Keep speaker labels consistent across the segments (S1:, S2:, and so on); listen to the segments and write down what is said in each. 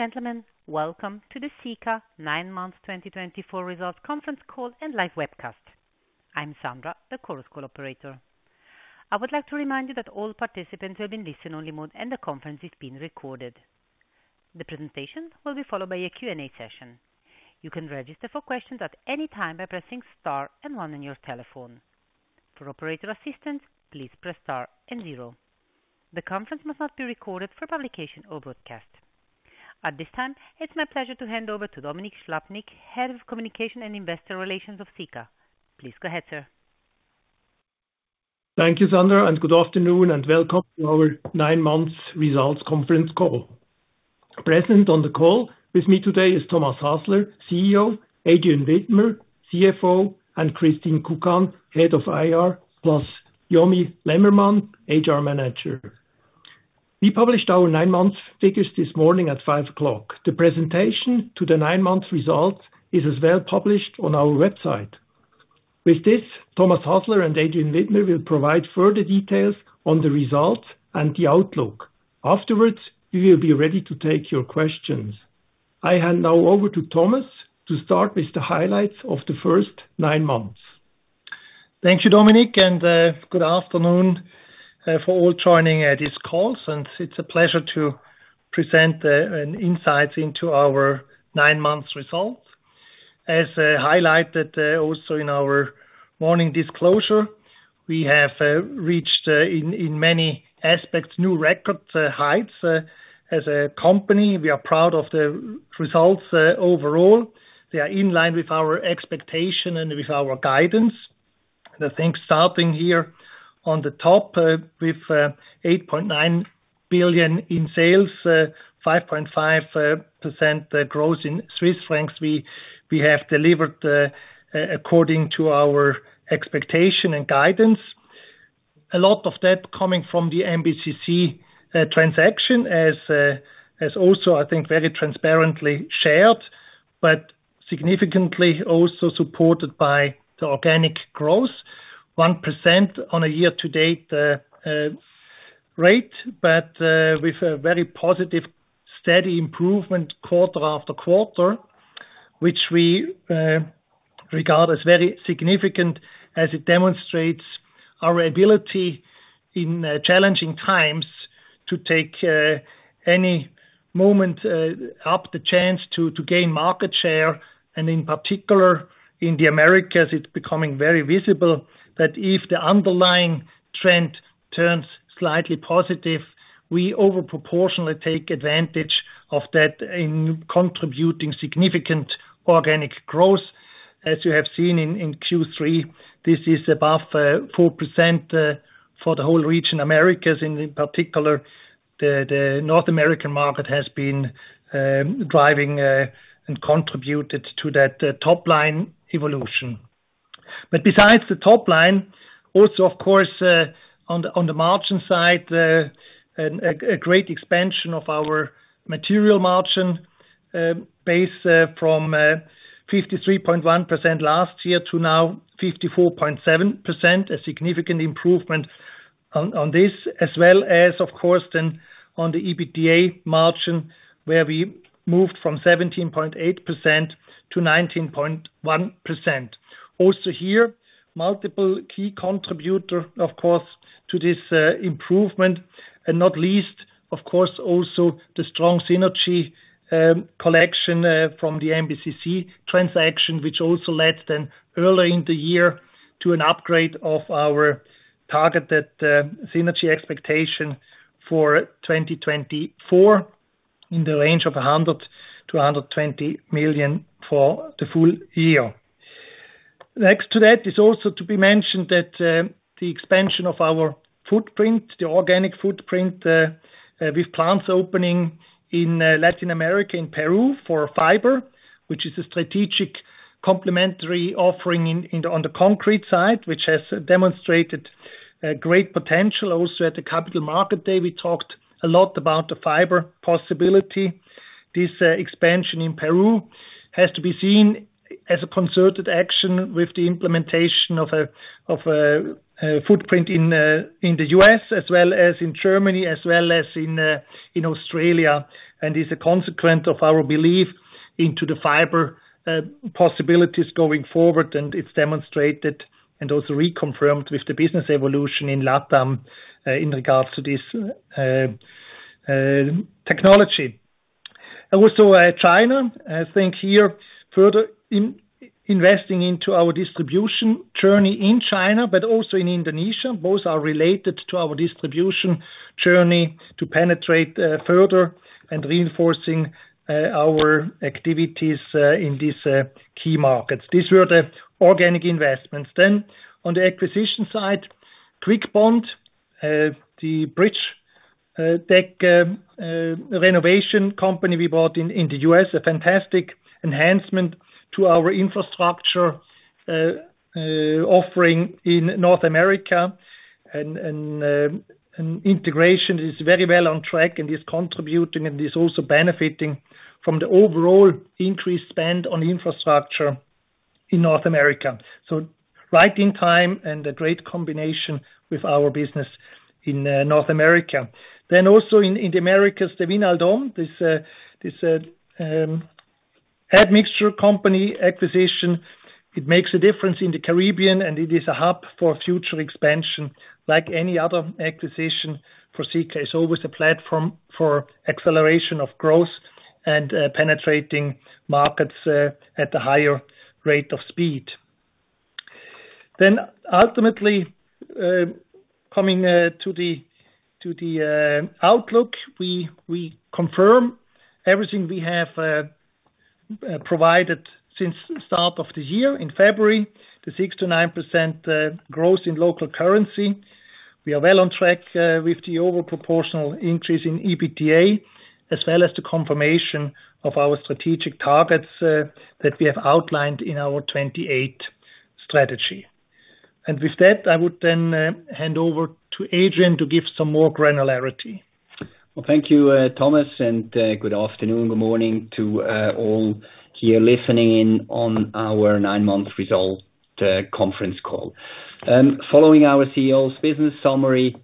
S1: Ladies and gentlemen, welcome to the Sika Nine Months 2024 Results Conference Call and live webcast. I'm Sandra, the Chorus Call operator. I would like to remind you that all participants will be in listen-only mode, and the conference is being recorded. The presentation will be followed by a Q&A session. You can register for questions at any time by pressing star and one on your telephone. For operator assistance, please press star and zero. The conference must not be recorded for publication or broadcast. At this time, it's my pleasure to hand over to Dominik Slappnig, Head of Communication and Investor Relations of Sika. Please go ahead, sir.
S2: Thank you, Sandra, and good afternoon, and welcome to our nine months results Conference Call. Present on the call with me today is Thomas Hasler, CEO, Adrian Widmer, CFO, and Christine Kukan, Head of IR, plus Yomi Lemmermann, HR Manager. We published our nine-month figures this morning at 5:00 A.M. The presentation to the nine-month results is as well published on our website. With this, Thomas Hasler and Adrian Widmer will provide further details on the results and the outlook. Afterwards, we will be ready to take your questions. I hand now over to Thomas to start with the highlights of the first nine months.
S3: Thank you, Dominik, and good afternoon for all joining at this call, and it's a pleasure to present an insight into our nine months results. As highlighted also in our morning disclosure, we have reached in many aspects new record heights. As a company, we are proud of the results overall. They are in line with our expectation and with our guidance. And I think starting here on the top with 8.9 billion in sales, 5.5% growth in Swiss francs, we have delivered according to our expectation and guidance. A lot of that coming from the MBCC transaction as also I think very transparently shared, but significantly also supported by the organic growth, 1% on a year-to-date rate, but with a very positive, steady improvement quarter after quarter, which we regard as very significant as it demonstrates our ability in challenging times to take any moment up the chance to gain market share. And in particular, in the Americas, it's becoming very visible that if the underlying trend turns slightly positive, we over proportionally take advantage of that in contributing significant organic growth. As you have seen in Q3, this is above 4% for the whole region, Americas, and in particular, the North American market has been driving and contributed to that top line evolution. But besides the top line, also, of course, on the margin side, a great expansion of our material margin base, from 53.1% last year to now 54.7%, a significant improvement on this as well as, of course, then on the EBITDA margin, where we moved from 17.8% to 19.1%. Also here, multiple key contributor, of course, to this improvement, and not least, of course, also the strong synergy collection from the MBCC transaction, which also led then early in the year to an upgrade of our target synergy expectation for 2024, in the range of 100 to 120 million for the full year. Next to that is also to be mentioned that the expansion of our footprint, the organic footprint, with plants opening in Latin America, in Peru for fiber, which is a strategic complementary offering in the on the concrete side, which has demonstrated great potential. Also, at the Capital Market Day, we talked a lot about the fiber possibility. This expansion in Peru has to be seen as a concerted action with the implementation of a footprint in the US as well as in Germany, as well as in Australia, and is a consequence of our belief into the fiber possibilities going forward, and it's demonstrated and also reconfirmed with the business evolution in LATAM in regards to this technology. Also, China, I think here, further investing into our distribution journey in China, but also in Indonesia. Both are related to our distribution journey to penetrate further and reinforcing our activities in these key markets. These were the organic investments. Then on the acquisition side, Kwik Bond, the bridge deck renovation company we bought in the U.S., a fantastic enhancement to our infrastructure offering in North America. And integration is very well on track and is contributing and is also benefiting from the overall increased spend on infrastructure in North America. So right in time and a great combination with our business in North America. Then also in the Americas, the Vinaldom admixture company acquisition makes a difference in the Caribbean, and it is a hub for future expansion, like any other acquisition for Sika. It's always a platform for acceleration of growth and penetrating markets at a higher rate of speed. Then ultimately coming to the outlook, we confirm everything we have provided since the start of the year in February, the 6-9% growth in local currency. We are well on track with the overall proportional increase in EBITDA, as well as the confirmation of our strategic targets that we have outlined in our Strategy 2028. And with that, I would then hand over to Adrian to give some more granularity.
S4: Thank you, Thomas, and good afternoon, good morning to all here listening in on our nine-month result Conference Call. Following our CEO's business summary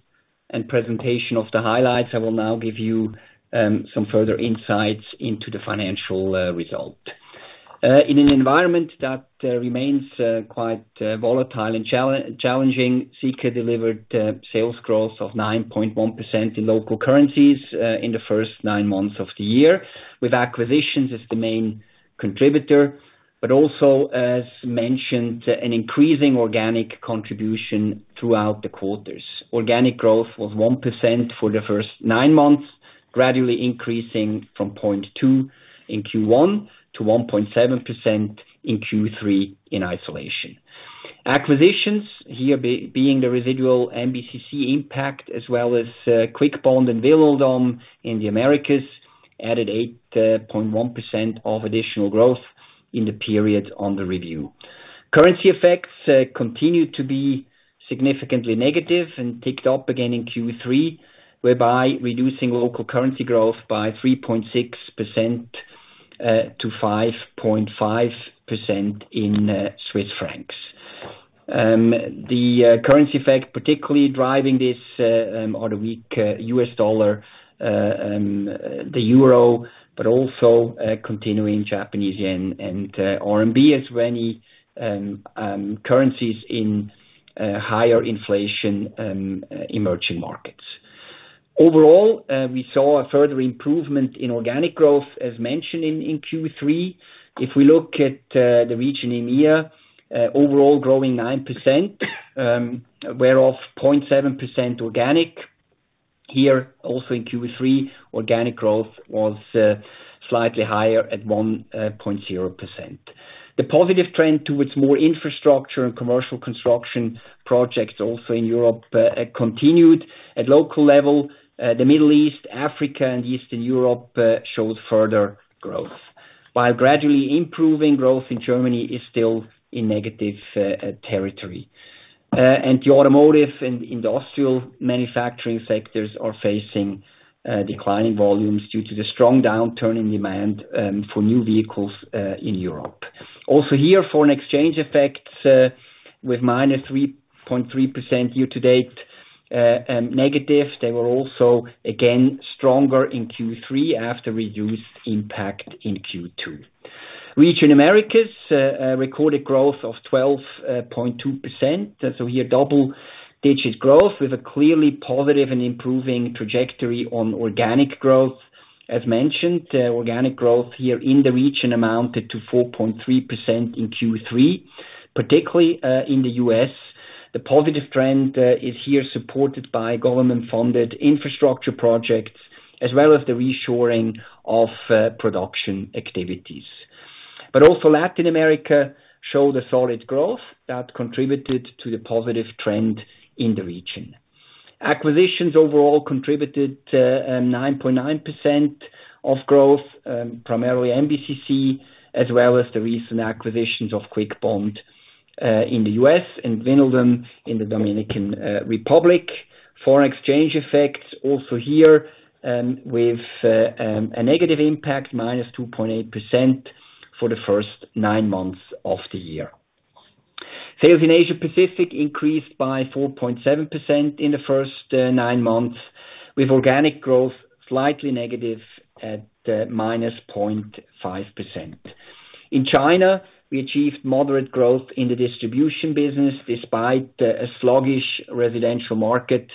S4: and presentation of the highlights, I will now give you some further insights into the financial result. In an environment that remains quite volatile and challenging, Sika delivered sales growth of 9.1% in local currencies in the first nine months of the year, with acquisitions as the main contributor, but also, as mentioned, an increasing organic contribution throughout the quarters. Organic growth was 1% for the first nine months, gradually increasing from 0.2% in Q1 to 1.7% in Q3 in isolation. Acquisitions, here being the residual MBCC impact, as well as Quickbond and Vinaldom in the Americas, added 8.1% of additional growth in the period under review. Currency effects continued to be significantly negative and ticked up again in Q3, whereby reducing local currency growth by 3.6% to 5.5% in Swiss francs. The currency effect, particularly driving this, are the weak US dollar, the euro, but also continuing Japanese yen and RMB, as many currencies in higher inflation emerging markets. Overall, we saw a further improvement in organic growth, as mentioned in Q3. If we look at the region EMEA, overall growing 9%, whereof 0.7% organic. Here, also in Q3, organic growth was slightly higher at 1.0%. The positive trend towards more infrastructure and commercial construction projects also in Europe continued. At local level, the Middle East, Africa, and Eastern Europe showed further growth. While gradually improving growth in Germany is still in negative territory, and the automotive and industrial manufacturing sectors are facing declining volumes due to the strong downturn in demand for new vehicles in Europe. Also here, foreign exchange effects with minus 3.3% year to date negative. They were also, again, stronger in Q3 after reduced impact in Q2. Region Americas recorded growth of 12.2%. Here, double-digit growth with a clearly positive and improving trajectory on organic growth. As mentioned, organic growth here in the region amounted to 4.3% in Q3, particularly, in the U.S. The positive trend, is here supported by government-funded infrastructure projects, as well as the reshoring of, production activities. But also Latin America showed a solid growth that contributed to the positive trend in the region. Acquisitions overall contributed, nine point nine percent of growth, primarily MBCC, as well as the recent acquisitions of Quickbond, in the U.S. and Vinaldom in the Dominican Republic In China, we achieved moderate growth in the distribution business, despite a sluggish residential market,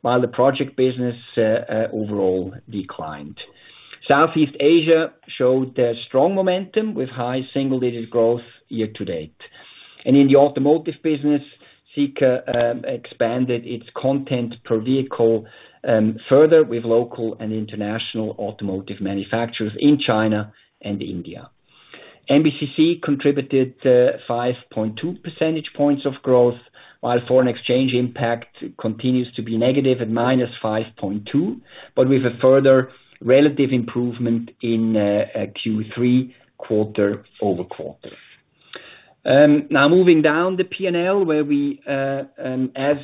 S4: while the project business overall declined. Southeast Asia showed a strong momentum with high single-digit growth year to date. In the automotive business, Sika expanded its content per vehicle further with local and international automotive manufacturers in China and India. MBCC contributed 5.2 percentage points of growth, while foreign exchange impact continues to be negative at -5.2, but with a further relative improvement in Q3, quarter over quarter. Now moving down the P&L, where we, as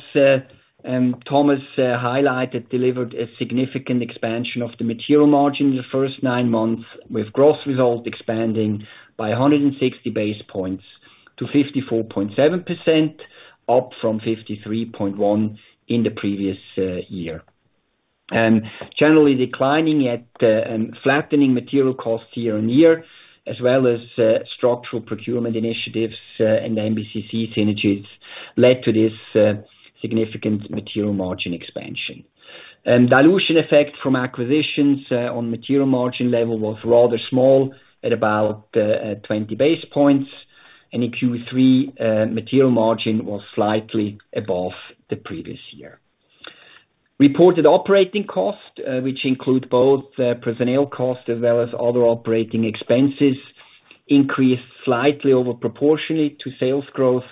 S4: Thomas highlighted, delivered a significant expansion of the material margin in the first nine months, with gross result expanding by 160 basis points. to 54.7%, up from 53.1% in the previous year, and generally declining at, and flattening material costs year on year, as well as, structural procurement initiatives, and MBCC synergies led to this, significant material margin expansion. Dilution effect from acquisitions, on material margin level was rather small at about, 20 basis points, and in Q3, material margin was slightly above the previous year. Reported operating costs, which include both, personnel costs as well as other operating expenses, increased slightly over proportionally to sales growth,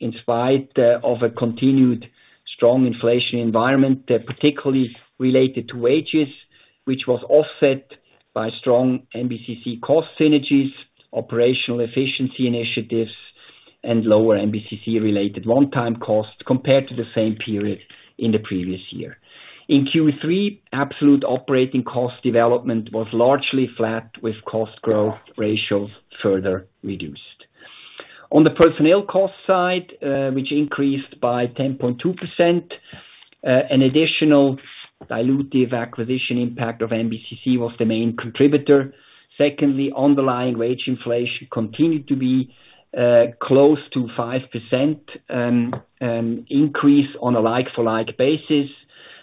S4: in spite of a continued strong inflation environment, particularly related to wages, which was offset by strong MBCC cost synergies, operational efficiency initiatives, and lower MBCC-related one-time costs compared to the same period in the previous year. In Q3, absolute operating cost development was largely flat, with cost growth ratios further reduced. On the personnel cost side, which increased by 10.2%, an additional dilutive acquisition impact of MBCC was the main contributor. Secondly, underlying wage inflation continued to be close to 5% increase on a like-for-like basis.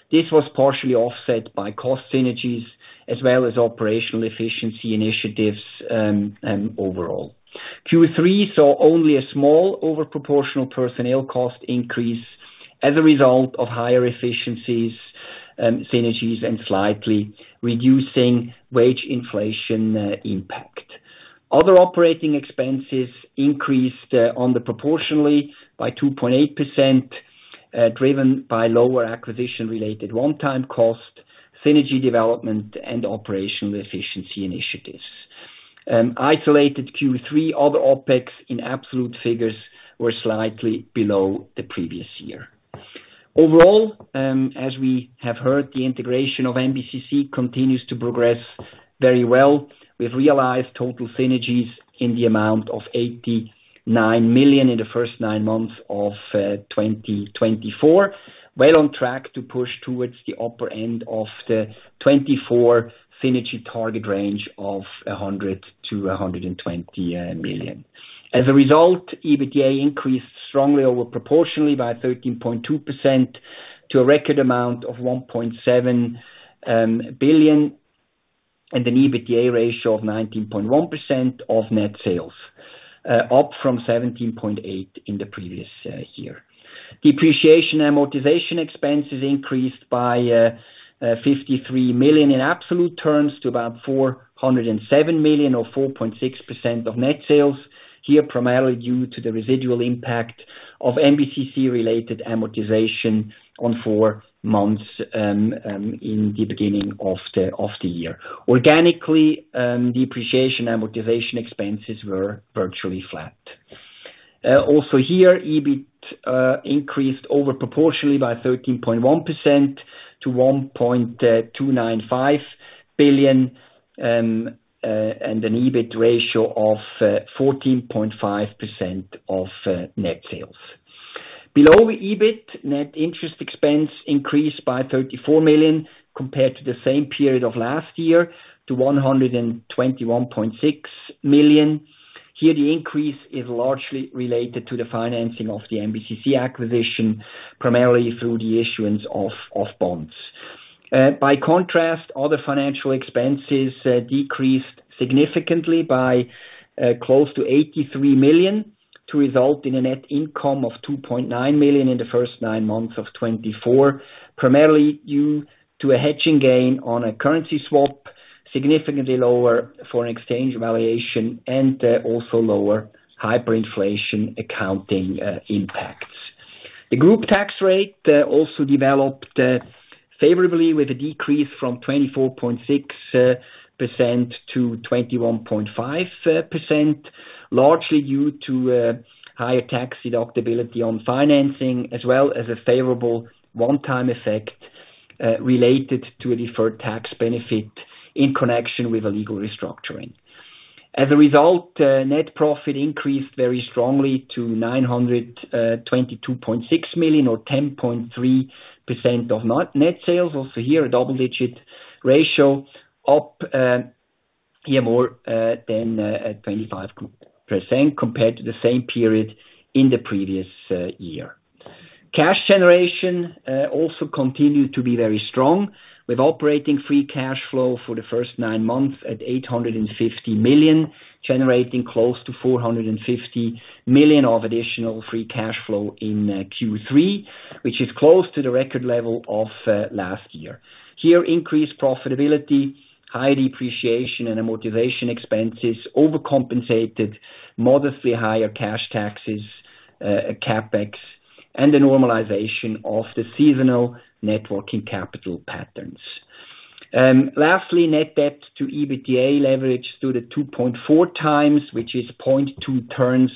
S4: This was partially offset by cost synergies as well as operational efficiency initiatives overall. Q3 saw only a small over proportional personnel cost increase as a result of higher efficiencies, synergies, and slightly reducing wage inflation impact. Other operating expenses increased on the proportionally by 2.8%, driven by lower acquisition-related one-time cost, synergy development, and operational efficiency initiatives. Isolated Q3, other OpEx in absolute figures were slightly below the previous year. Overall, as we have heard, the integration of MBCC continues to progress very well. We've realized total synergies in the amount of 89 million in the first nine months of 2024. On track to push towards the upper end of the 2024 synergy target range of 100-120 million. As a result, EBITDA increased strongly over proportionally by 13.2% to a record amount of 1.7 billion, and an EBITDA ratio of 19.1% of net sales, up from 17.8% in the previous year. Depreciation and amortization expenses increased by 53 million in absolute terms, to about 407 million, or 4.6% of net sales. Here, primarily due to the residual impact of MBCC-related amortization on four months in the beginning of the year. Organically, depreciation and amortization expenses were virtually flat. Also here, EBIT increased overproportionally by 13.1% to 1.295 billion and an EBIT ratio of 14.5% of net sales. Below EBIT, net interest expense increased by 34 million compared to the same period of last year to 121.6 million. Here, the increase is largely related to the financing of the MBCC acquisition, primarily through the issuance of bonds. By contrast, other financial expenses decreased significantly by close to 83 million, to result in a net income of 2.9 million in the first nine months of 2024, primarily due to a hedging gain on a currency swap, significantly lower foreign exchange valuation, and also lower hyperinflation accounting impacts. The group tax rate also developed favorably, with a decrease from 24.6% to 21.5%, largely due to higher tax deductibility on financing, as well as a favorable one-time effect related to a deferred tax benefit in connection with a legal restructuring. As a result, net profit increased very strongly to 922.6 million, or 10.3% of net sales. Also here, a double-digit ratio up, here more than at 25% compared to the same period in the previous year. Cash generation also continued to be very strong, with operating free cash flow for the first nine months at 850 million, generating close to 450 million of additional free cash flow in Q3, which is close to the record level of last year. Here, increased profitability, high depreciation and amortization expenses overcompensated, modestly higher cash taxes, CapEx, and the normalization of the seasonal working capital patterns. Lastly, net debt to EBITDA leverage stood at 2.4 times, which is 0.2 turns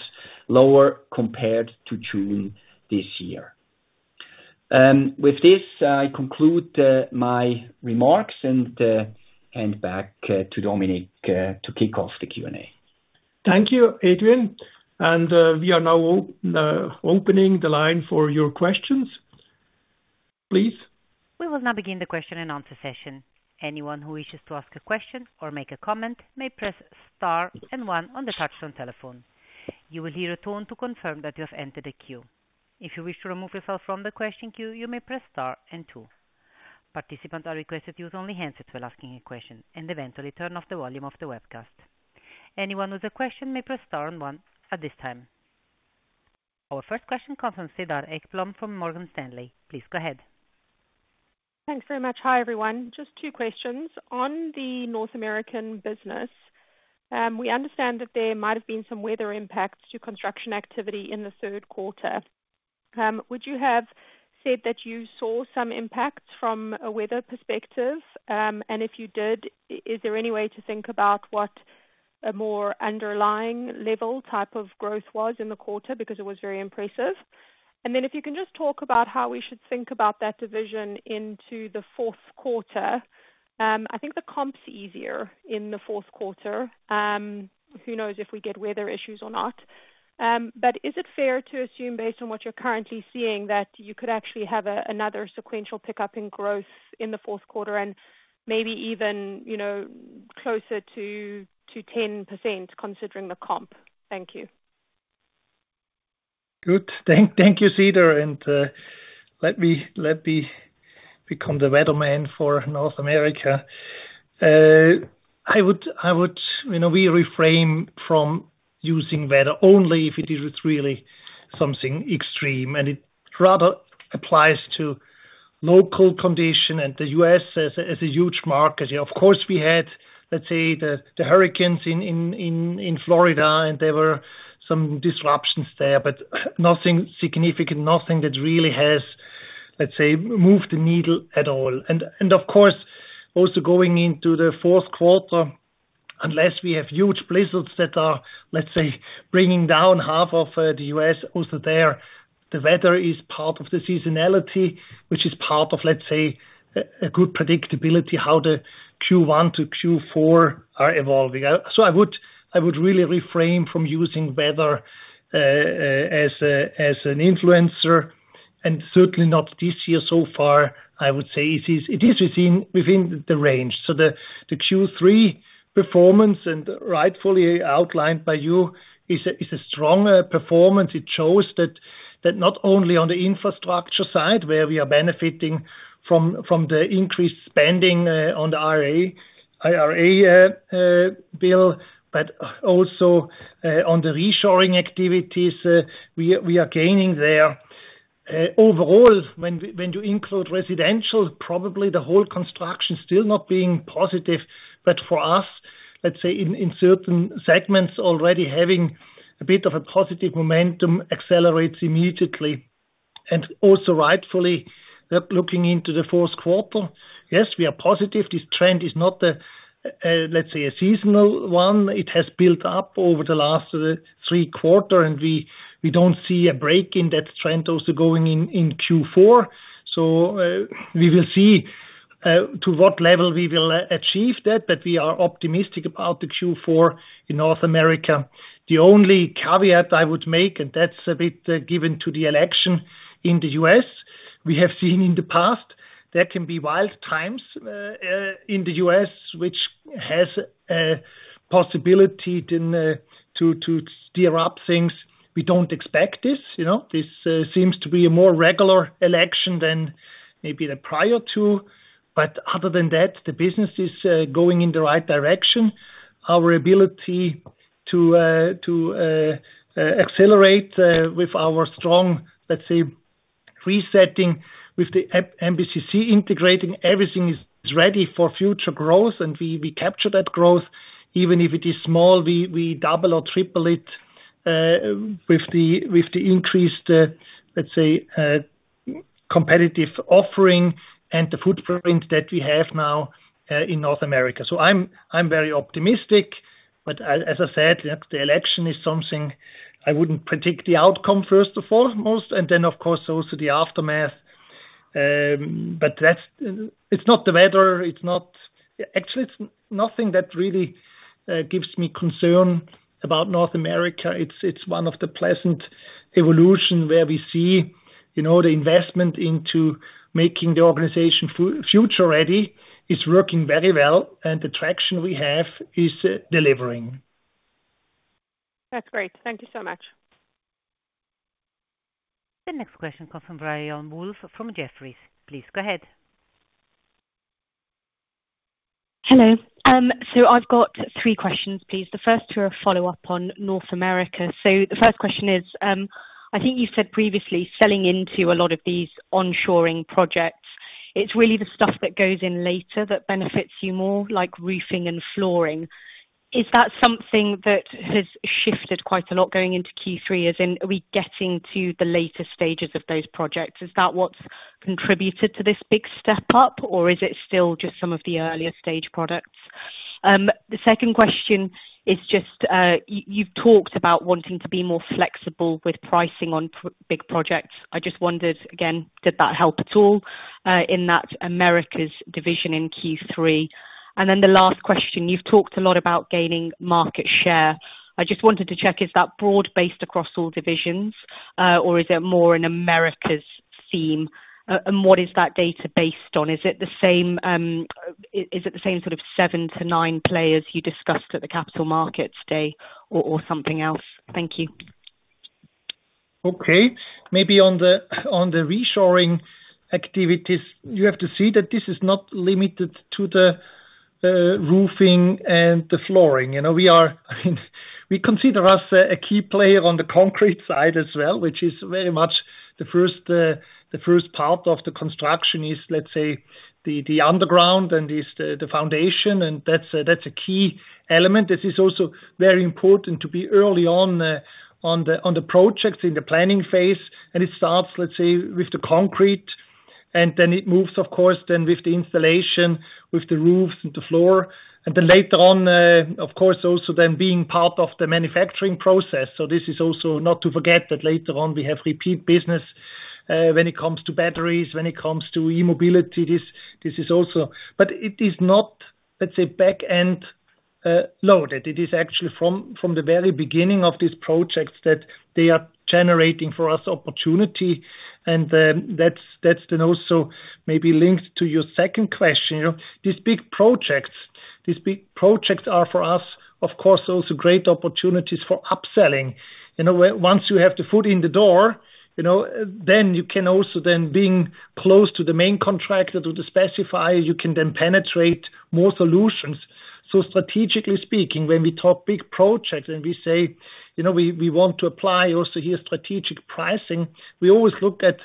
S4: lower compared to June this year. With this, I conclude my remarks and hand back to Dominik to kick off the Q&A.
S2: Thank you, Adrian. And, we are now opening the line for your questions. Please.
S1: We will now begin the question and answer session. Anyone who wishes to ask a question or make a comment, may press star and one on the touchtone telephone. You will hear a tone to confirm that you have entered a queue. If you wish to remove yourself from the question queue, you may press star and two. Participants are requested to use only handsets while asking a question, and eventually turn off the volume of the webcast. Anyone with a question may press star and one at this time. Our first question comes from Cedar Ekblom from Morgan Stanley. Please go ahead.
S5: Thanks very much. Hi, everyone. Just two questions. On the North American business, we understand that there might have been some weather impacts to construction activity in the third quarter. Would you have said that you saw some impacts from a weather perspective? And if you did, is there any way to think about what a more underlying level type of growth was in the quarter? Because it was very impressive. And then if you can just talk about how we should think about that division into the fourth quarter. I think the comp's easier in the fourth quarter. Who knows if we get weather issues or not? But is it fair to assume, based on what you're currently seeing, that you could actually have another sequential pickup in growth in the fourth quarter and maybe even, you know, closer to 10% considering the comp? Thank you.
S3: Good. Thank you, Cedar, and let me become the weatherman for North America. I would. You know, we refrain from using weather only if it is really something extreme, and it rather applies to local conditions, and the U.S. as a huge market. Yeah, of course, we had, let's say, the hurricanes in Florida, and there were some disruptions there, but nothing significant, nothing that really has, let's say, moved the needle at all. And of course, also going into the fourth quarter, unless we have huge blizzards that are, let's say, bringing down half of the U.S., also there, the weather is part of the seasonality, which is part of, let's say, a good predictability, how the Q1 to Q4 are evolving. So I would really refrain from using weather as an influencer, and certainly not this year so far. I would say it is within the range. So the Q3 performance, and rightfully outlined by you, is a strong performance. It shows that not only on the infrastructure side, where we are benefiting from the increased spending on the IRA bill, but also on the reshoring activities, we are gaining there. Overall, when you include residential, probably the whole construction still not being positive. But for us, let's say in certain segments, already having a bit of a positive momentum accelerates immediately. And also rightfully, looking into the fourth quarter, yes, we are positive this trend is not a, let's say, a seasonal one. It has built up over the last three quarters, and we don't see a break in that trend also going into Q4. So, we will see to what level we will achieve that, but we are optimistic about the Q4 in North America. The only caveat I would make, and that's a bit given the election in the US, we have seen in the past there can be wild times in the US, which has a possibility to stir up things. We don't expect this, you know? This seems to be a more regular election than maybe the prior two. But other than that, the business is going in the right direction. Our ability to accelerate with our strong, let's say, resetting with the MBCC integrating, everything is ready for future growth, and we capture that growth. Even if it is small, we double or triple it with the increased, let's say, competitive offering and the footprint that we have now in North America. So I'm very optimistic, but as I said, the election is something I wouldn't predict the outcome, first of all, most, and then, of course, also the aftermath. But that's. It's not the weather, it's not. Actually, it's nothing that really gives me concern about North America. It's one of the pleasant evolution where we see, you know, the investment into making the organization future ready. It's working very well, and the traction we have is delivering.
S5: That's great. Thank you so much.
S1: The next question comes from Priyal Woolf from Jefferies. Please go ahead.
S6: Hello. I've got three questions, please. The first two are a follow-up on North America. The first question is, I think you said previously, selling into a lot of these reshoring projects, it's really the stuff that goes in later that benefits you more, like roofing and flooring. Is that something that has shifted quite a lot going into Q3, as in, are we getting to the later stages of those projects? Is that what's contributed to this big step up, or is it still just some of the earlier stage products? The second question is just, you've talked about wanting to be more flexible with pricing on big projects. I just wondered, again, did that help at all, in that Americas division in Q3? Then the last question, you've talked a lot about gaining market share. I just wanted to check, is that broad-based across all divisions, or is it more an Americas theme? And what is that data based on? Is it the same sort of seven to nine players you discussed at the Capital Market Day or something else? Thank you.
S3: Okay. Maybe on the reshoring activities, you have to see that this is not limited to the roofing and the flooring. You know, we consider us a key player on the concrete side as well, which is very much the first, the first part of the construction is, let's say, the underground and is the foundation, and that's a key element. This is also very important to be early on, on the projects in the planning phase. And it starts, let's say, with the concrete, and then it moves, of course, with the installation, with the roof and the floor, and then later on, of course, also being part of the manufacturing process. So this is also not to forget that later on we have repeat business when it comes to batteries, when it comes to e-mobility, this is also. But it is not, let's say, back-end loaded. It is actually from the very beginning of these projects that they are generating for us opportunity, and that's then also maybe linked to your second question. You know, these big projects are for us, of course, also great opportunities for upselling. You know, once you have the foot in the door, you know, then you can also, being close to the main contractor, to the specifier, you can then penetrate more solutions. So strategically speaking, when we talk big projects and we say, you know, we want to apply also here strategic pricing, we always look at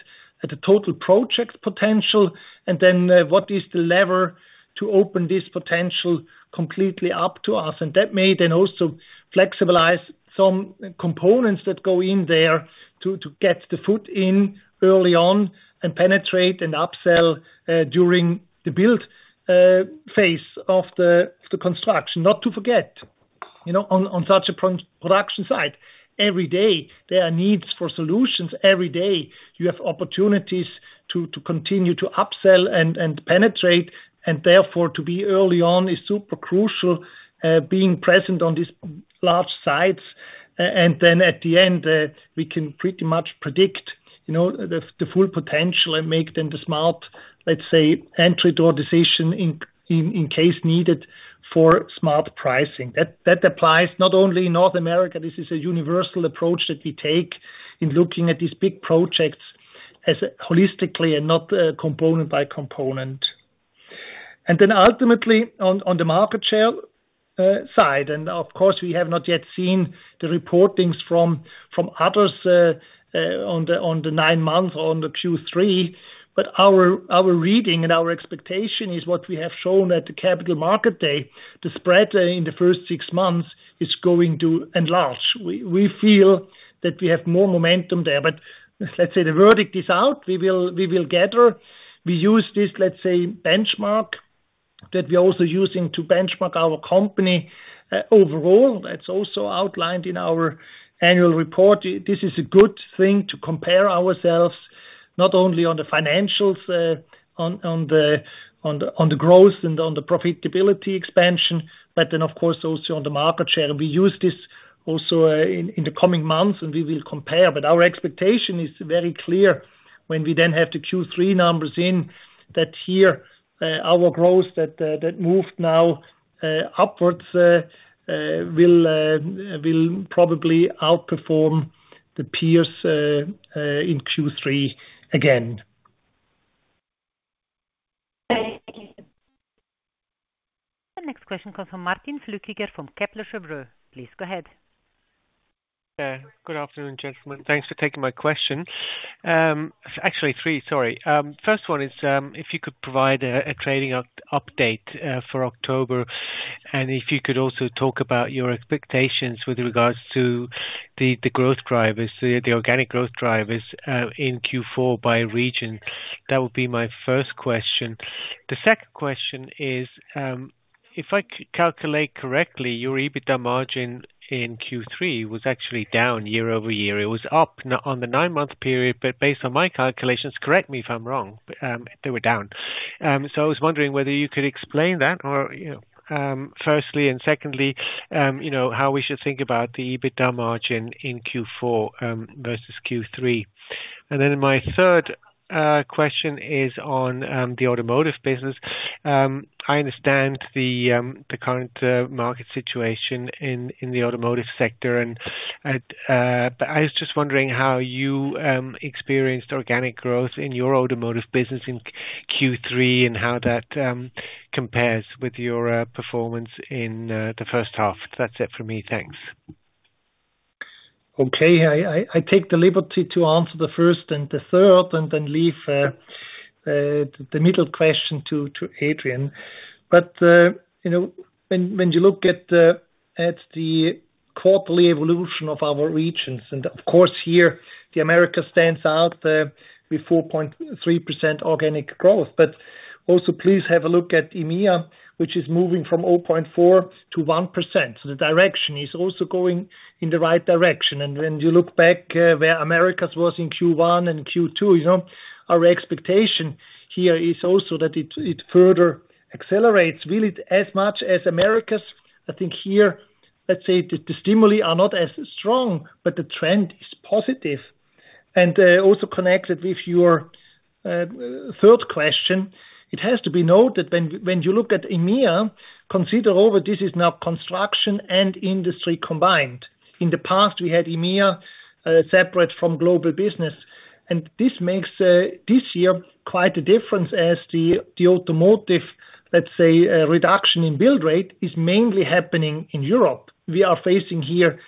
S3: the total project potential and then what is the lever to open this potential completely up to us? And that may then also flexibilize some components that go in there to get the foot in early on and penetrate and upsell during the build phase of the construction. Not to forget, you know, on such a production site, every day there are needs for solutions. Every day you have opportunities to continue to upsell and penetrate, and therefore to be early on is super crucial, being present on these large sites. And then at the end, we can pretty much predict, you know, the full potential and make then the smart, let's say, entry door decision in case needed for smart pricing. That applies not only in North America. This is a universal approach that we take in looking at these big projects as holistically and not component by component. And then ultimately on the market share side, and of course, we have not yet seen the reportings from others on the nine months or on the Q3. But our reading and our expectation is what we have shown at the Capital Market Day. The spread in the first six months is going to enlarge. We feel that we have more momentum there. But let's say the verdict is out, we will gather. We use this, let's say, benchmark, that we're also using to benchmark our company overall. That's also outlined in our annual report. This is a good thing to compare ourselves, not only on the financials, on the growth and on the profitability expansion, but then of course also on the market share. And we use this also in the coming months, and we will compare. But our expectation is very clear when we then have the Q3 numbers in, that here our growth that moved now upwards will probably outperform the peers in Q3 again.
S6: Thank you.
S1: The next question comes from Martin Flückiger from Kepler Cheuvreux. Please go ahead.
S7: Good afternoon, gentlemen. Thanks for taking my question. Actually three, sorry. First one is, if you could provide a trading update for October, and if you could also talk about your expectations with regards to the growth drivers, the organic growth drivers in Q4 by region. That would be my first question. The second question is, if I calculate correctly, your EBITDA margin in Q3 was actually down year over year. It was up on the nine-month period, but based on my calculations, correct me if I'm wrong, they were down. So I was wondering whether you could explain that or, you know, firstly, and secondly, you know, how we should think about the EBITDA margin in Q4 versus Q3. And then my third question is on the automotive business. I understand the current market situation in the automotive sector, and but I was just wondering how you experienced organic growth in your automotive business in Q3, and how that compares with your performance in the first half. That's it for me. Thanks.
S3: Okay. I take the liberty to answer the first and the third, and then leave the middle question to Adrian. But you know, when you look at the quarterly evolution of our regions, and of course, here, the Americas stands out with 4.3% organic growth. But also, please have a look at EMEA, which is moving from 0.4% to 1%. So the direction is also going in the right direction. And when you look back where Americas was in Q1 and Q2, you know, our expectation here is also that it further accelerates. Will it as much as Americas? I think here, let's say the stimuli are not as strong, but the trend is positive. Also connected with your third question, it has to be noted that when you look at EMEA, consider that this is now construction and industry combined. In the past, we had EMEA separate from global business, and this makes this year quite a difference as the automotive, let's say, a reduction in build rate is mainly happening in Europe. We are facing here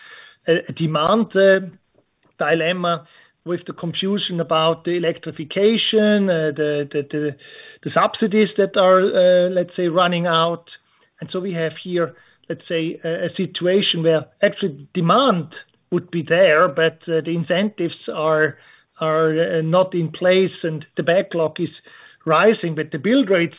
S3: a demand dilemma with the confusion about the electrification, the subsidies that are, let's say, running out. So we have here, let's say, a situation where actually demand would be there, but the incentives are not in place and the backlog is rising. The build rates,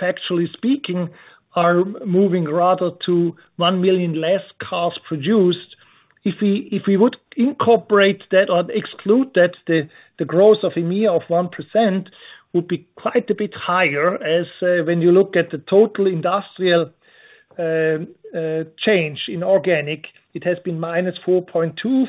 S3: factually speaking, are moving rather to one million less cars produced. If we would incorporate that or exclude that, the growth of EMEA of 1% would be quite a bit higher, as when you look at the total industrial change in organic, it has been minus 4.2%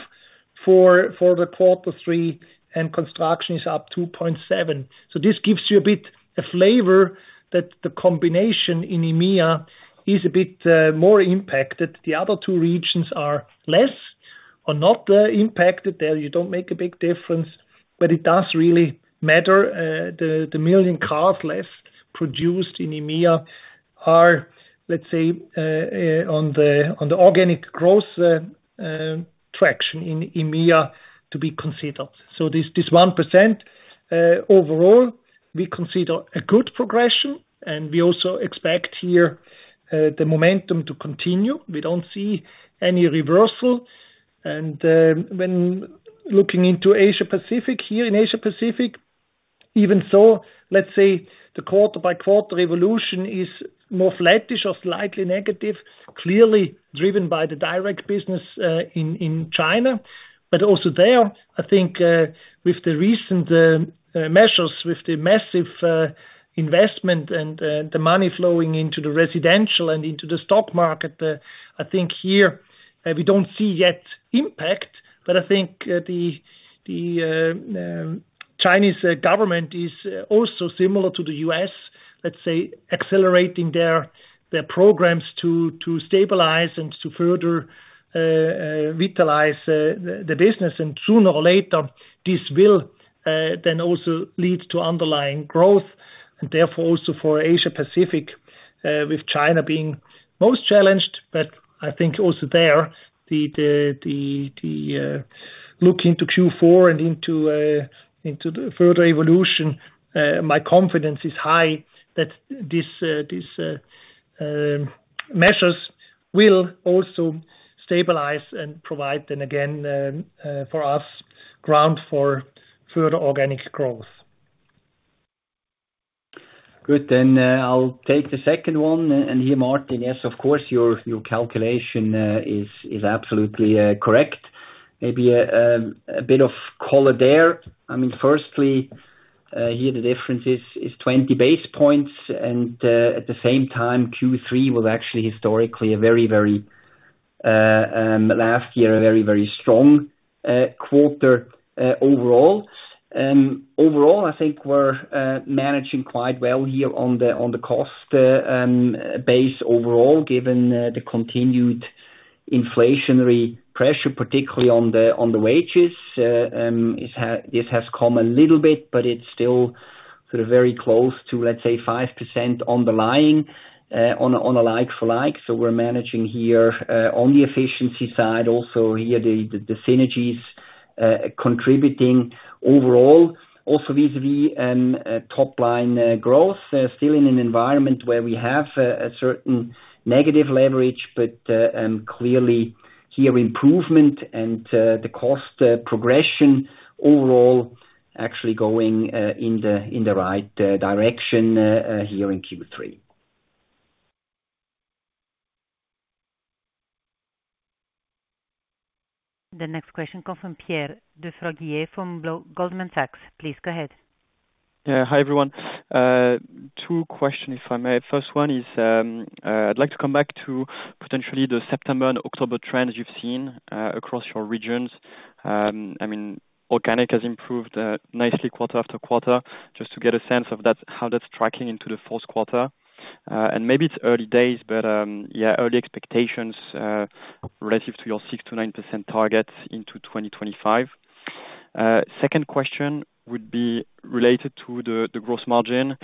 S3: for the quarter three, and construction is up 2.7%. So this gives you a bit a flavor that the combination in EMEA is a bit more impacted. The other two regions are less or not impacted. There, you don't make a big difference, but it does really matter. The million cars less produced in EMEA are, let's say, on the organic growth traction in EMEA to be considered. So this one percent overall, we consider a good progression, and we also expect here the momentum to continue. We don't see any reversal. And when looking into Asia Pacific, here in Asia Pacific, even so, let's say the quarter by quarter evolution is more flattish or slightly negative, clearly driven by the direct business in China. But also there, I think with the recent measures, with the massive investment and the money flowing into the residential and into the stock market, I think here we don't see yet impact, but I think the Chinese government is also similar to the U.S., let's say, accelerating their programs to stabilize and to further vitalize the business. And sooner or later, this will then also lead to underlying growth, and therefore also for Asia Pacific with China being most challenged. But I think also there, the look into Q4 and into the further evolution. My confidence is high that these measures will also stabilize and provide then again for us ground for further organic growth.
S4: Good. Then I'll take the second one, and here, Martin, yes, of course, your calculation is absolutely correct. Maybe a bit of color there. I mean, firstly, here, the difference is twenty basis points, and at the same time, Q3 was actually historically a very strong quarter overall last year. Overall, I think we're managing quite well here on the cost base overall, given the continued inflationary pressure, particularly on the wages. It has come a little bit, but it's still sort of very close to, let's say, 5% on the line, on a like-for-like. So we're managing here on the efficiency side, also here, the synergies contributing overall, also vis-a-vis top line growth. Still in an environment where we have a certain negative leverage, but clearly here improvement and the cost progression overall, actually going in the right direction here in Q3.
S1: The next question comesPierre Fréguier from Goldman Sachs. Please go ahead.
S8: Hi, everyone. Two questions, if I may. First one is, I'd like to come back to potentially the September and October trends you've seen across your regions. I mean, organic has improved nicely quarter after quarter. Just to get a sense of that, how that's tracking into the fourth quarter. And maybe it's early days, but yeah, early expectations relative to your 6-9% targets into 2025. Second question would be related to the gross margin.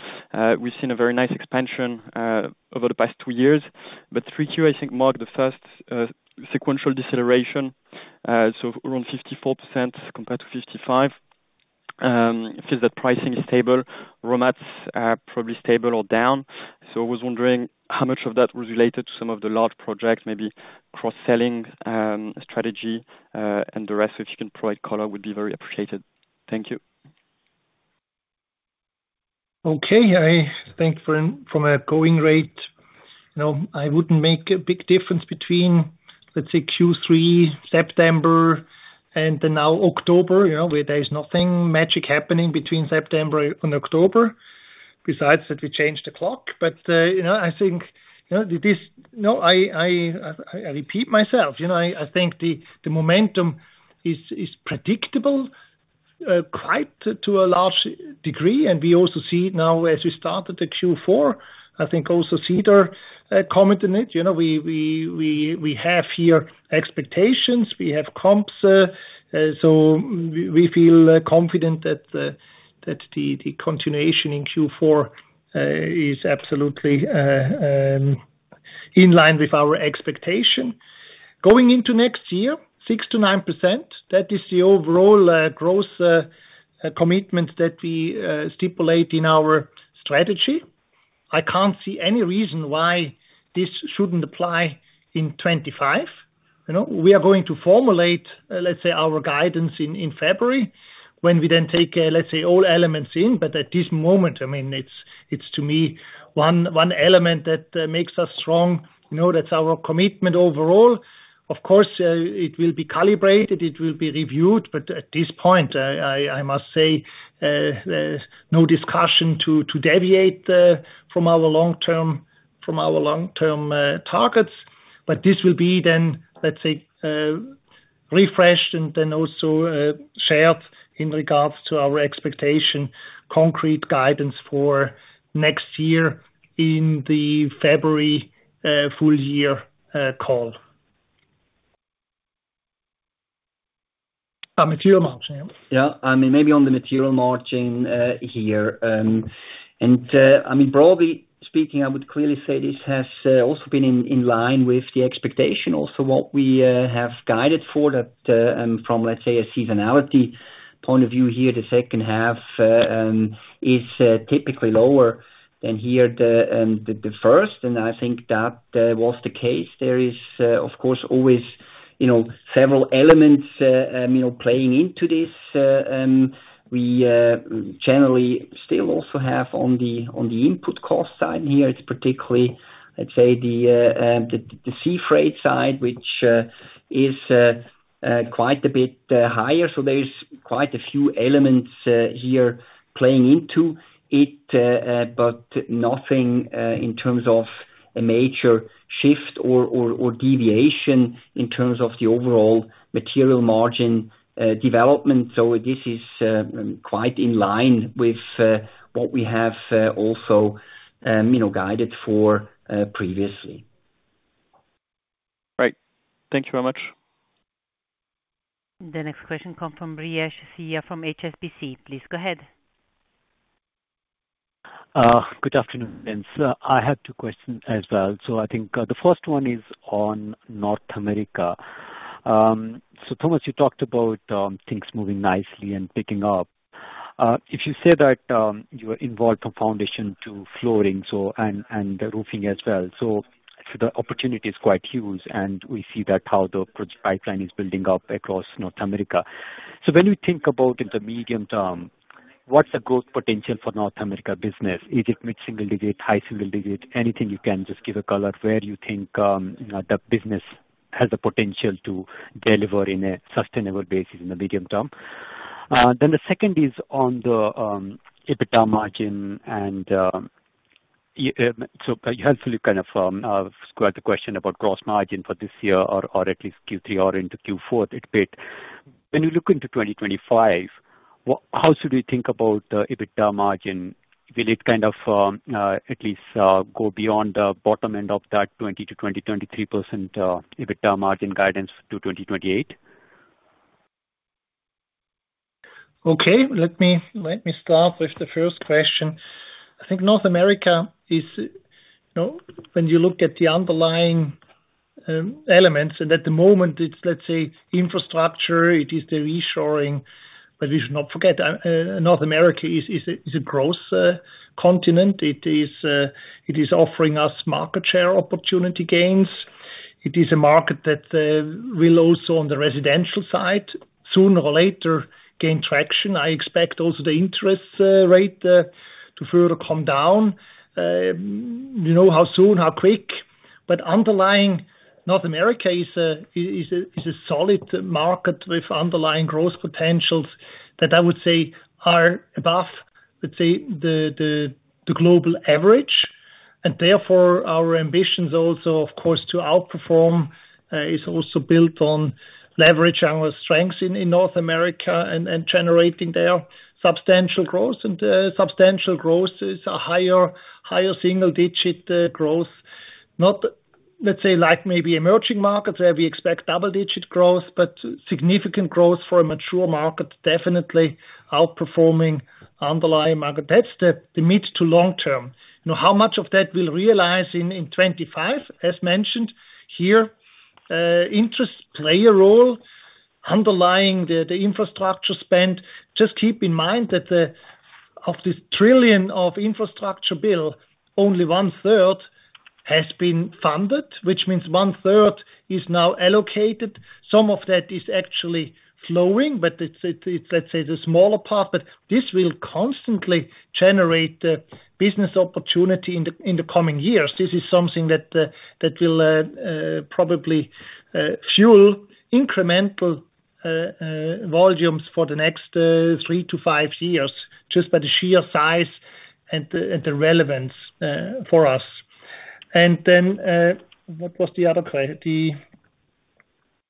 S8: We've seen a very nice expansion over the past two years, but 3Q, I think, marked the first sequential deceleration, so around 54% compared to 55%. It feels that pricing is stable, raw mats are probably stable or down. I was wondering how much of that was related to some of the large projects, maybe cross-selling, strategy, and the rest. If you can provide color, it would be very appreciated. Thank you.
S3: Okay. I think from a going rate, you know, I wouldn't make a big difference between, let's say, Q3, September, and then now October, you know, where there is nothing magic happening between September and October, besides that we changed the clock. But, you know, I think, you know, it is, you know, I repeat myself, you know, I think the momentum is predictable, quite to a large degree, and we also see now as we started the Q4, I think also Cedar commented on it. You know, we have here expectations, we have comps, so we feel confident that the continuation in Q4 is absolutely in line with our expectation. Going into next year, 6%-9%, that is the overall growth commitment that we stipulate in our strategy. I can't see any reason why this shouldn't apply in 2025. You know, we are going to formulate, let's say, our guidance in February, when we then take, let's say, all elements in, but at this moment, I mean, it's to me one element that makes us strong, you know, that's our commitment overall. Of course, it will be calibrated, it will be reviewed, but at this point, I must say no discussion to deviate from our long-term targets. But this will be then, let's say, refreshed and then also, shared in regards to our expectation, concrete guidance for next year in the February full year call. Material margin.
S4: Yeah, I mean, maybe on the material margin, here, and, I mean, broadly speaking, I would clearly say this has also been in line with the expectation. Also what we have guided for that, from, let's say, a seasonality point of view here, the second half is typically lower than here the first, and I think that was the case. There is, of course, always, you know, several elements, you know, playing into this. We generally still also have on the input cost side here, it's particularly, let's say, the sea freight side, which is quite a bit higher. So there's quite a few elements here playing into it, but nothing in terms of a major shift or deviation in terms of the overall material margin development. So this is quite in line with what we have also, you know, guided for previously.
S8: Great. Thank you very much.
S1: The next question comes from Brijesh Aggarwal from HSBC. Please go ahead.
S9: Good afternoon. I have two questions as well. So I think the first one is on North America. So Thomas, you talked about things moving nicely and picking up. If you say that you are involved from foundation to flooring, so and the roofing as well, so the opportunity is quite huge, and we see that how the project pipeline is building up across North America. So when you think about in the medium term, what's the growth potential for North America business? Is it mid-single digit, high single digit, anything you can just give a color where you think you know the business has the potential to deliver in a sustainable basis in the medium term? Then the second is on the EBITDA margin, and yeah, so you helpfully kind of squared the question about gross margin for this year or at least Q3 or into Q4 a bit. When you look into 2025, how should we think about the EBITDA margin? Will it kind of at least go beyond the bottom end of that 20%-23% EBITDA margin guidance to 2028?
S3: Okay, let me start with the first question. I think North America is, you know, when you look at the underlying elements, and at the moment it's, let's say, infrastructure, it is the reshoring, but we should not forget, North America is a growth continent. It is offering us market share opportunity gains. It is a market that will also, on the residential side, sooner or later gain traction. I expect also the interest rate to further come down. You know, how soon, how quick, but underlying North America is a solid market with underlying growth potentials that I would say are above, let's say, the global average, and therefore, our ambitions also, of course, to outperform, is also built on leveraging our strengths in North America and generating their substantial growth. And substantial growth is higher single-digit growth. Not, let's say, like maybe emerging markets, where we expect double-digit growth, but significant growth for a mature market, definitely outperforming underlying market. That's the mid- to long-term. Now, how much of that we'll realize in twenty-five, as mentioned here, interest plays a role underlying the infrastructure spend. Just keep in mind that of this trillion of infrastructure bill, only one-third has been funded, which means one-third is now allocated. Some of that is actually flowing, but it's, let's say, the smaller part, but this will constantly generate business opportunity in the coming years. This is something that will probably fuel incremental volumes for the next three to five years, just by the sheer size and the relevance for us. And then, what was the other point? The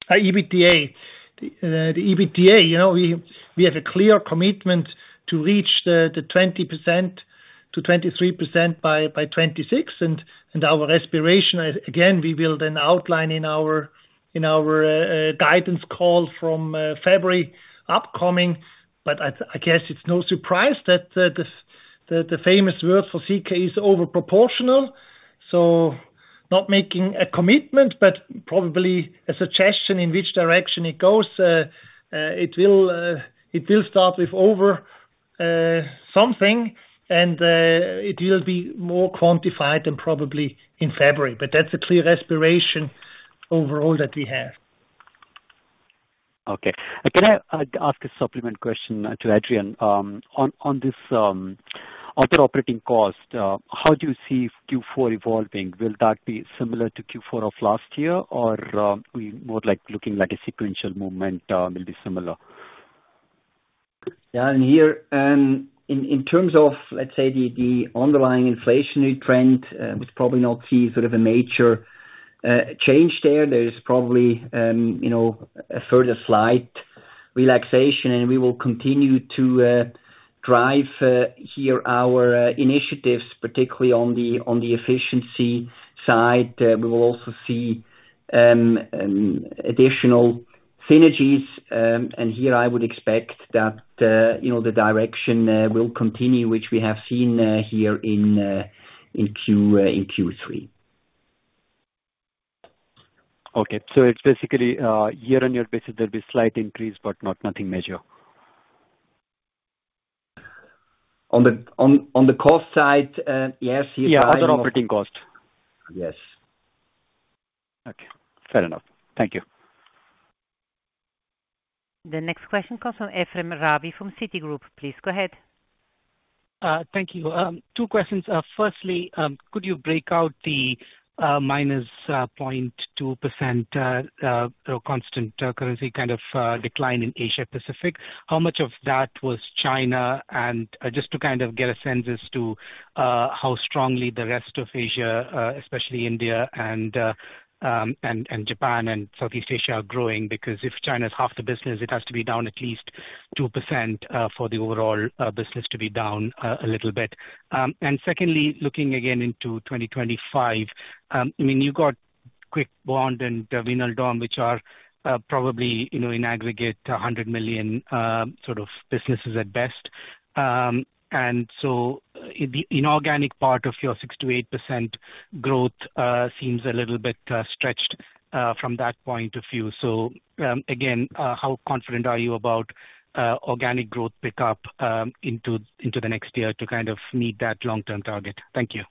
S3: EBITDA. The EBITDA, you know, we have a clear commitment to reach the 20% to 23% by 2026, and our aspiration, again, we will then outline in our guidance call from February upcoming. But I guess it's no surprise that the famous word for Sika is over proportional. So not making a commitment, but probably a suggestion in which direction it goes. It will start with over something, and it will be more quantified than probably in February. But that's a clear aspiration overall that we have.
S9: Okay. Can I ask a supplement question to Adrian? On this other operating cost, how do you see Q4 evolving? Will that be similar to Q4 of last year, or we more like looking like a sequential movement, will be similar?
S4: Yeah, and here, in terms of, let's say, the underlying inflationary trend, we'd probably not see sort of a major change there. There is probably, you know, a further slight relaxation, and we will continue to drive here our initiatives, particularly on the efficiency side. We will also see additional synergies, and here I would expect that, you know, the direction will continue, which we have seen here in Q3.
S9: Okay. So it's basically, year-on-year basis, there'll be slight increase, but not nothing major.
S4: On the cost side, yes, year-
S9: Yeah, other operating cost.
S4: Yes.
S9: Okay. Fair enough. Thank you.
S1: The next question comes from Ephrem Ravi, from Citigroup. Please, go ahead.
S10: Thank you. Two questions. Firstly, could you break out the -0.2% constant currency kind of decline in Asia Pacific? How much of that was China, and just to kind of get a sense as to how strongly the rest of Asia, especially India and Japan and Southeast Asia are growing. Because if China is half the business, it has to be down at least 2% for the overall business to be down a little bit. And secondly, looking again into 2025, I mean, you got Quickbond and Vinaldom, which are probably, you know, in aggregate, 100 million sort of businesses at best. And so the inorganic part of your 6%-8% growth seems a little bit stretched from that point of view. So again, how confident are you about organic growth pickup into the next year to kind of meet that long-term target? Thank you.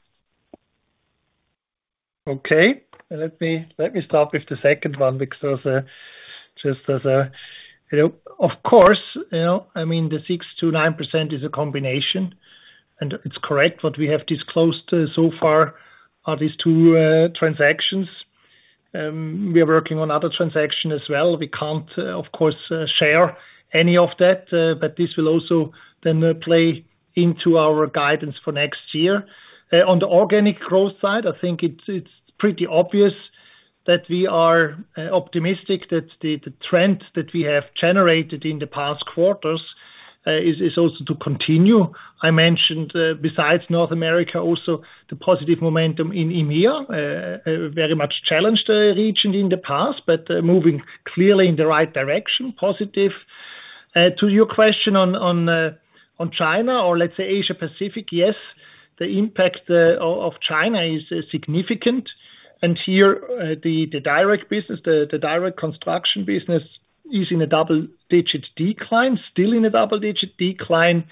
S3: Okay. Let me, let me start with the second one, because, You know, of course, you know, I mean, the 6%-9% is a combination, and it's correct. What we have disclosed so far are these two transactions. We are working on other transaction as well. We can't, of course, share any of that, but this will also then play into our guidance for next year. On the organic growth side, I think it's pretty obvious that we are optimistic that the trend that we have generated in the past quarters is also to continue. I mentioned, besides North America, also the positive momentum in EMEA, a very much challenged region in the past, but moving clearly in the right direction, positive. To your question on China or let's say Asia Pacific, yes, the impact of China is significant. And here, the direct business, the direct construction business is in a double-digit decline, still in a double-digit decline.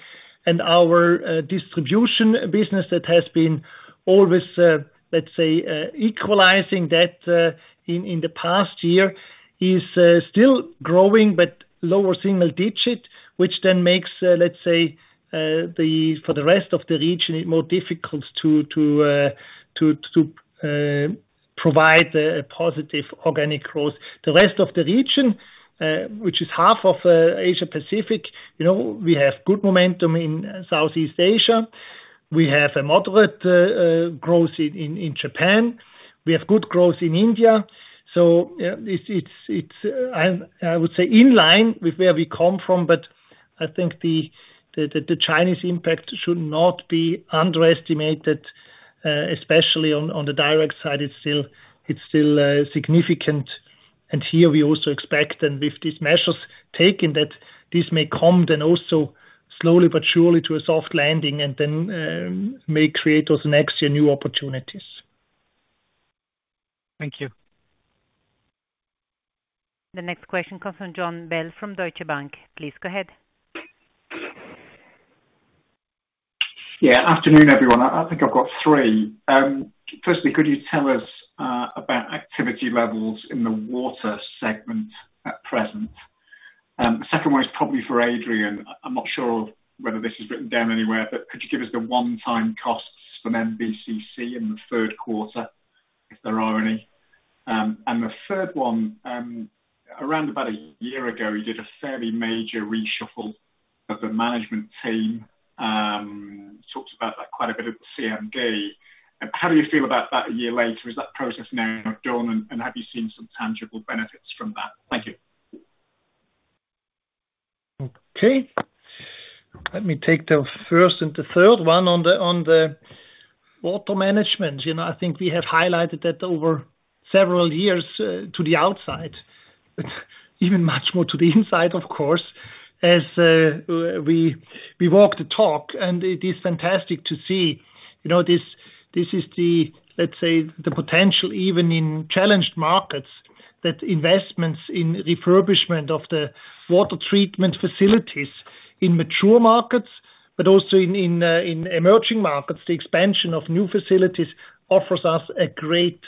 S3: And our distribution business that has been always, let's say, equalizing that, in the past year, is still growing, but lower single digit, which then makes, let's say, for the rest of the region, it more difficult to provide a positive organic growth. The rest of the region, which is half of Asia Pacific, you know, we have good momentum in Southeast Asia. We have a moderate growth in Japan. We have good growth in India. So, it's in line with where we come from, but I think the Chinese impact should not be underestimated, especially on the direct side. It's still significant. And here we also expect, and with these measures taken, that this may come then also slowly but surely to a soft landing, and then may create those next year new opportunities.
S10: Thank you.
S1: The next question comes from Jon Bell from Deutsche Bank. Please go ahead.
S11: Yeah, afternoon, everyone. I, I think I've got three. Firstly, could you tell us about activity levels in the water segment at present? The second one is probably for Adrian. I'm not sure whether this is written down anywhere, but could you give us the one-time costs from MBCC in the third quarter, if there are any? And the third one, around about a year ago, you did a fairly major reshuffle of the management team, talked about that quite a bit at the CMD. How do you feel about that a year later? Is that process now done, and have you seen some tangible benefits from that? Thank you.
S3: Okay, let me take the first and the third one. On the water management, you know, I think we have highlighted that over several years to the outside, even much more to the inside, of course, as we walk the talk, and it is fantastic to see, you know, this is the, let's say, the potential even in challenged markets, that investments in refurbishment of the water treatment facilities in mature markets, but also in emerging markets, the expansion of new facilities offers us a great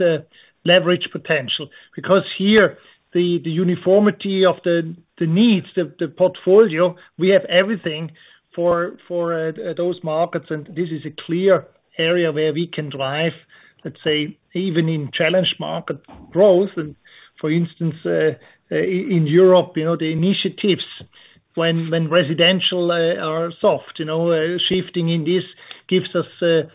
S3: leverage potential. Because here, the uniformity of the needs, the portfolio, we have everything for those markets, and this is a clear area where we can drive, let's say, even in challenged market growth. And for instance, in Europe, you know, the initiatives when residential are soft, you know, shifting in this gives us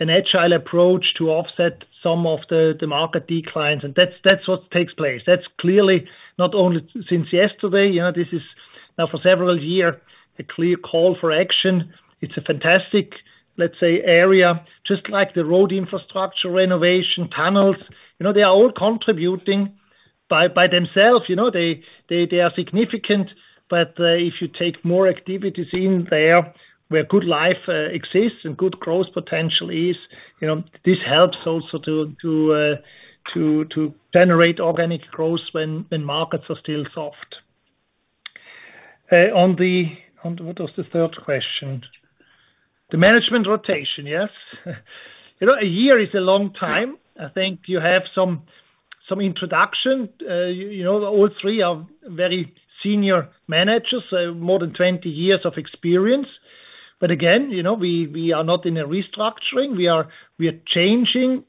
S3: an agile approach to offset some of the market declines, and that's what takes place. That's clearly not only since yesterday, you know. This is now for several year a clear call for action. It's a fantastic, let's say, area, just like the road infrastructure, renovation, tunnels, you know. They are all contributing. By themselves, you know, they are significant, but if you take more activities in there, where good life exists and good growth potential is, you know, this helps also to generate organic growth when markets are still soft. On what was the third question? The management rotation, yes. You know, a year is a long time. I think you have some introduction. You know, all three are very senior managers, more than twenty years of experience. But again, you know, we are not in a restructuring. We are changing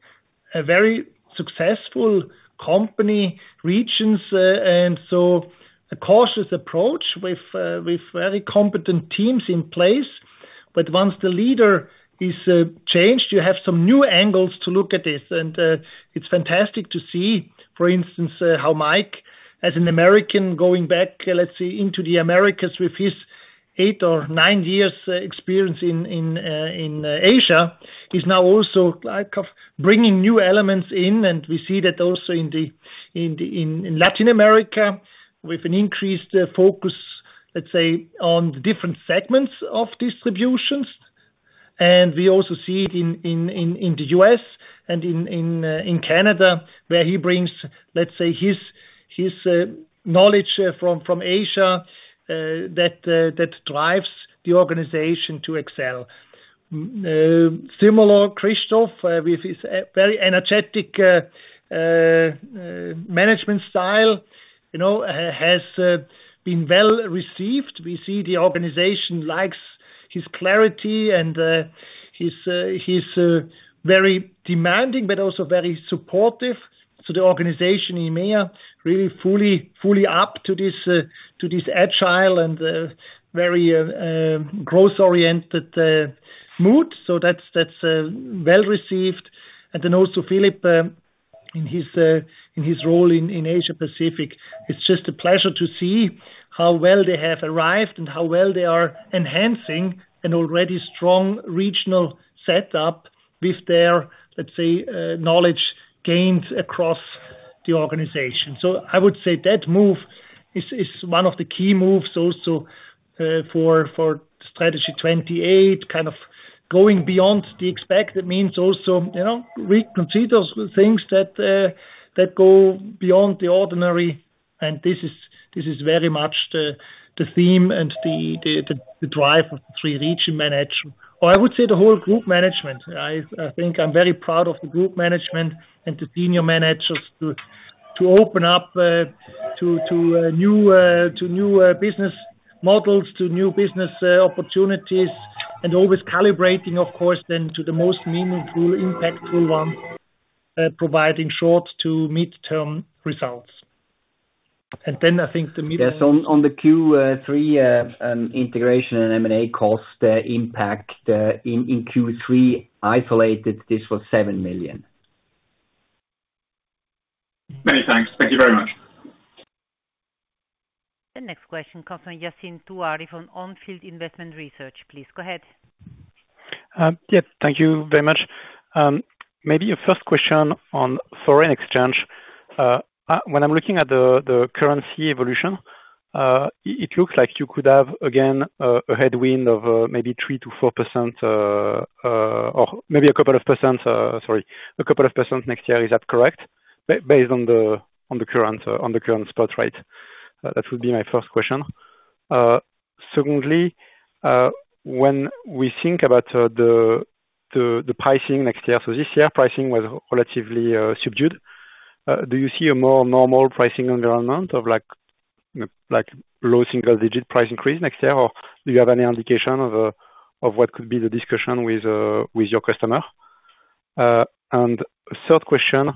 S3: a very successful company regions, and so a cautious approach with very competent teams in place. But once the leader is changed, you have some new angles to look at this. And it's fantastic to see, for instance, how Mike, as an American, going back, let's say, into the Americas with his eight or nine years experience in Asia. He's now also, like, of bringing new elements in, and we see that also in Latin America, with an increased focus, let's say, on the different segments of distributions. And we also see it in the US and in Canada, where he brings, let's say, his knowledge from Asia that drives the organization to excel. Similar, Christoph, with his very energetic management style, you know, has been well received. We see the organization likes his clarity and he's very demanding, but also very supportive. So the organization in EMEA really fully up to this agile and very growth-oriented mood. So that's well received. And then also Philippe in his role in Asia Pacific. It's just a pleasure to see how well they have arrived and how well they are enhancing an already strong regional setup with their, let's say, knowledge gained across the organization. So I would say that move is one of the key moves also for Strategy 2028, kind of going beyond the expected means also, you know, we consider things that go beyond the ordinary, and this is very much the theme and the drive of the three region management. Or I would say the whole group management. I think I'm very proud of the group management and the senior managers to open up to new business models, to new business opportunities, and always calibrating, of course, then to the most meaningful, impactful one, providing short to mid-term results. And then I think the middle-
S4: Yes, on the Q3 integration and M&A cost impact in Q3, isolated, this was 7 million.
S11: Many thanks. Thank you very much.
S1: The next question comes from Yassine Touahri from Onfield Investment Research. Please go ahead.
S12: Yeah, thank you very much. Maybe a first question on foreign exchange. When I'm looking at the currency evolution, it looks like you could have again a headwind of maybe 3%-4%, or maybe a couple of percent next year. Is that correct? Based on the current spot rate? That would be my first question. Secondly, when we think about the pricing next year, so this year pricing was relatively subdued. Do you see a more normal pricing environment of like low single-digit price increase next year? Or do you have any indication of what could be the discussion with your customer? And third question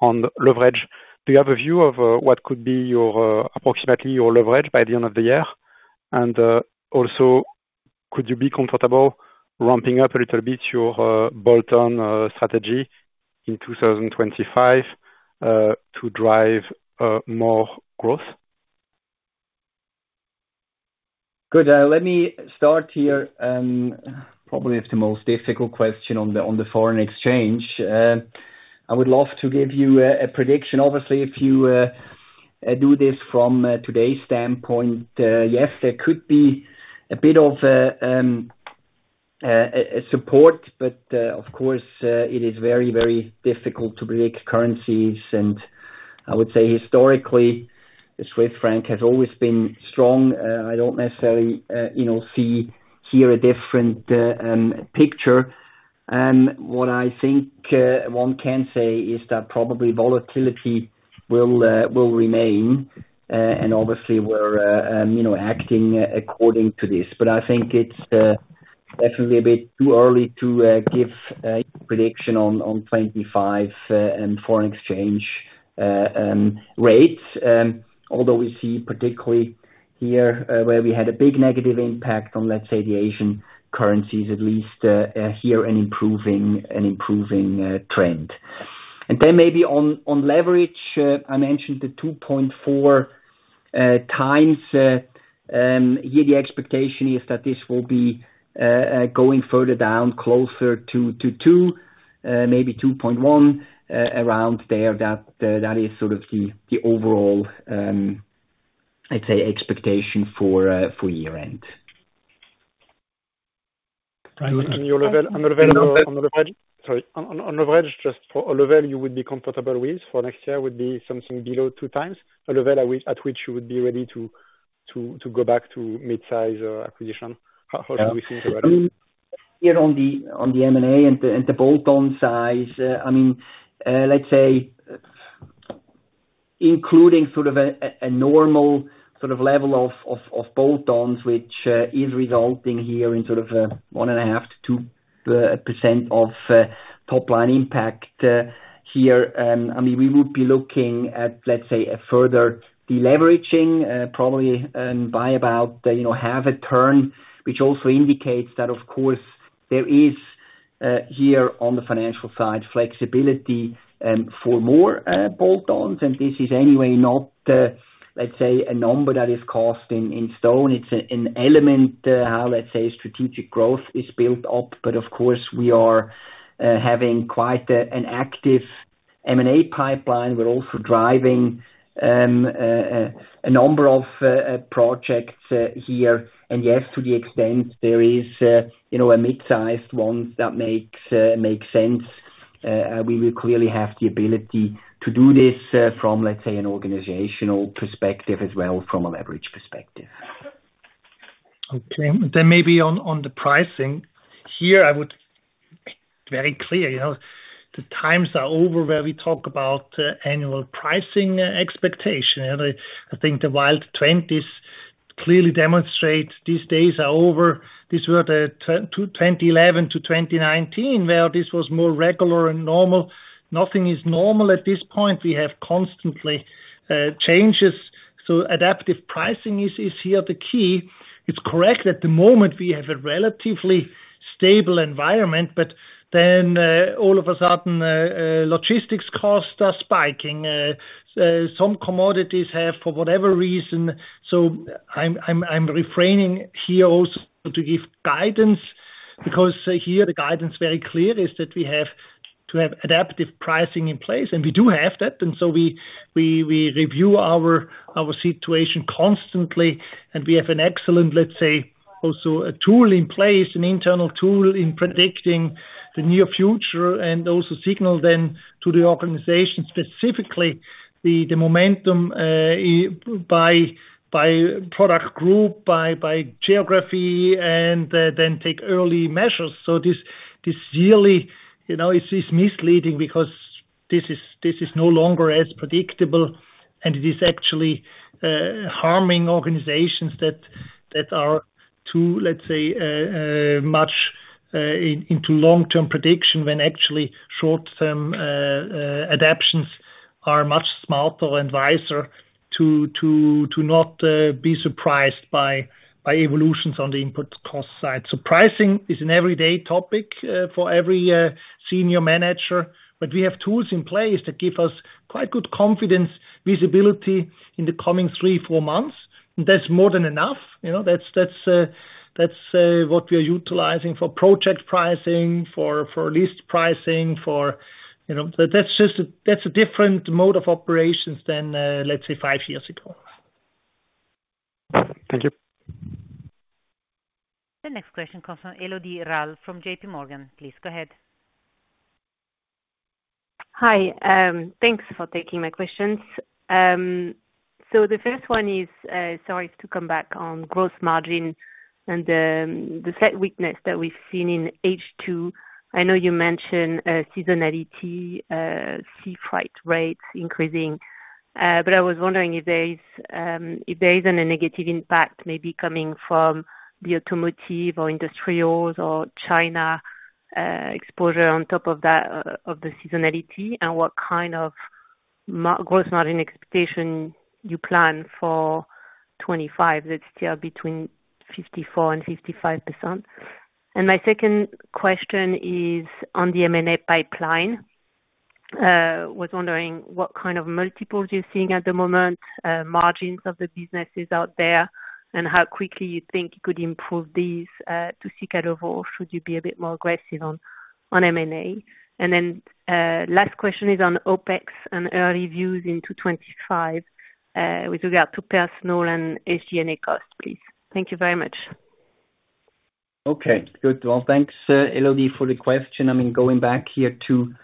S12: on leverage: Do you have a view of what could be your approximate leverage by the end of the year? And also, could you be comfortable ramping up a little bit your bolt-on strategy in two thousand and twenty-five to drive more growth?
S4: Good. Let me start here, probably it's the most difficult question on the foreign exchange. I would love to give you a prediction. Obviously, if you do this from today's standpoint, yes, there could be a bit of a support, but of course it is very, very difficult to predict currencies. I would say historically, the Swiss franc has always been strong. I don't necessarily you know see here a different picture. What I think one can say is that probably volatility will remain and obviously we're you know acting according to this. I think it's definitely a bit too early to give prediction on twenty-five and foreign exchange rates. Although we see particularly here, where we had a big negative impact on, let's say, the Asian currencies, at least here an improving trend. And then maybe on leverage, I mentioned the 2.4 times, here the expectation is that this will be going further down, closer to two, maybe 2.1, around there. That is sort of the overall, I'd say, expectation for year-end.
S12: On leverage, just for a level you would be comfortable with for next year would be something below two times, a level at which you would be ready to go back to mid-size acquisition? How do we think about it?
S4: Here on the M&A and the bolt-on size, I mean, let's say, including sort of a normal sort of level of bolt-ons, which is resulting here in sort of a 1.5%-2% of top line impact here. I mean, we would be looking at, let's say, a further deleveraging probably by about, you know, half a turn, which also indicates that of course there is here on the financial side flexibility for more bolt-ons. And this is anyway not, let's say, a number that is cast in stone. It's an element how, let's say, strategic growth is built up. But of course we are having quite an active M&A pipeline. We're also driving a number of projects here, and yes, to the extent there is, you know, a mid-sized one that makes sense, we will clearly have the ability to do this from, let's say, an organizational perspective, as well from a leverage perspective.
S3: Okay. Then maybe on the pricing. Here, I would be very clear, you know, the times are over where we talk about annual pricing expectation. And I think the wild twenties clearly demonstrate these days are over. These were the ten to twenty eleven to twenty nineteen, where this was more regular and normal. Nothing is normal at this point. We have constantly changes, so adaptive pricing is here the key. It's correct that at the moment we have a relatively stable environment, but then all of a sudden logistics costs are spiking some commodities have, for whatever reason. So I'm refraining here also to give guidance, because here the guidance very clear is that we have to have adaptive pricing in place, and we do have that. And so we review our situation constantly, and we have an excellent, let's say, also a tool in place, an internal tool in predicting the near future, and also signal then to the organization, specifically the momentum by product group, by geography, and then take early measures. So this really, you know, it's misleading because this is no longer as predictable, and it is actually harming organizations that are too, let's say, much into long-term prediction, when actually short-term adaptations are much smarter and wiser to not be surprised by evolutions on the input cost side. So pricing is an everyday topic for every senior manager, but we have tools in place that give us quite good confidence, visibility in the coming three, four months. That's more than enough, you know. That's what we are utilizing for project pricing, for lease pricing, you know. So that's just a different mode of operations than, let's say, five years ago.
S12: Thank you.
S1: The next question comes from Elodie Rall from J.P. Morgan. Please go ahead.
S13: Hi, thanks for taking my questions. So the first one is, sorry, to come back on gross margin and the slight weakness that we've seen in H2. I know you mentioned seasonality, sea freight rates increasing, but I was wondering if there is any negative impact maybe coming from the automotive or industrials or China exposure on top of that, of the seasonality, and what kind of gross margin expectation you plan for 2025, that's still between 54% and 55%? And my second question is on the M&A pipeline. Was wondering what kind of multiples you're seeing at the moment, margins of the businesses out there, and how quickly you think you could improve these to seek out, or should you be a bit more aggressive on M&A? Then, last question is on OpEx and early views into 2025, with regard to personnel and SG&A costs, please. Thank you very much.
S4: Okay, good. Well, thanks, Elodie, for the question. I mean, going back here to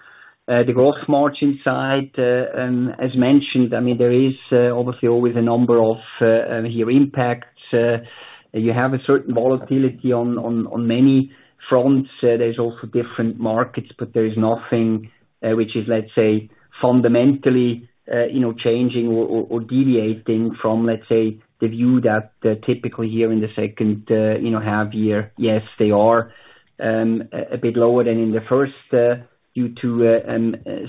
S4: the gross margin side, as mentioned, I mean, there is obviously always a number of various impacts. You have a certain volatility on many fronts. There's also different markets, but there is nothing which is, let's say, fundamentally, you know, changing or deviating from, let's say, the view that typically here in the second, you know, half year, yes, they are a bit lower than in the first due to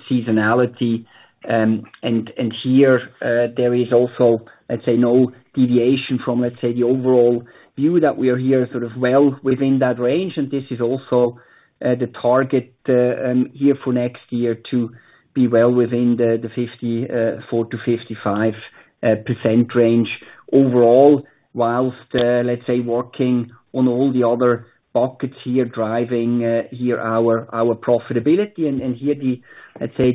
S4: seasonality. Here there is also, let's say, no deviation from, let's say, the overall view that we are here sort of well within that range, and this is also the target here for next year to be well within the 54-55% range. Overall, while, let's say, working on all the other buckets here, driving here our profitability, and here the, let's say,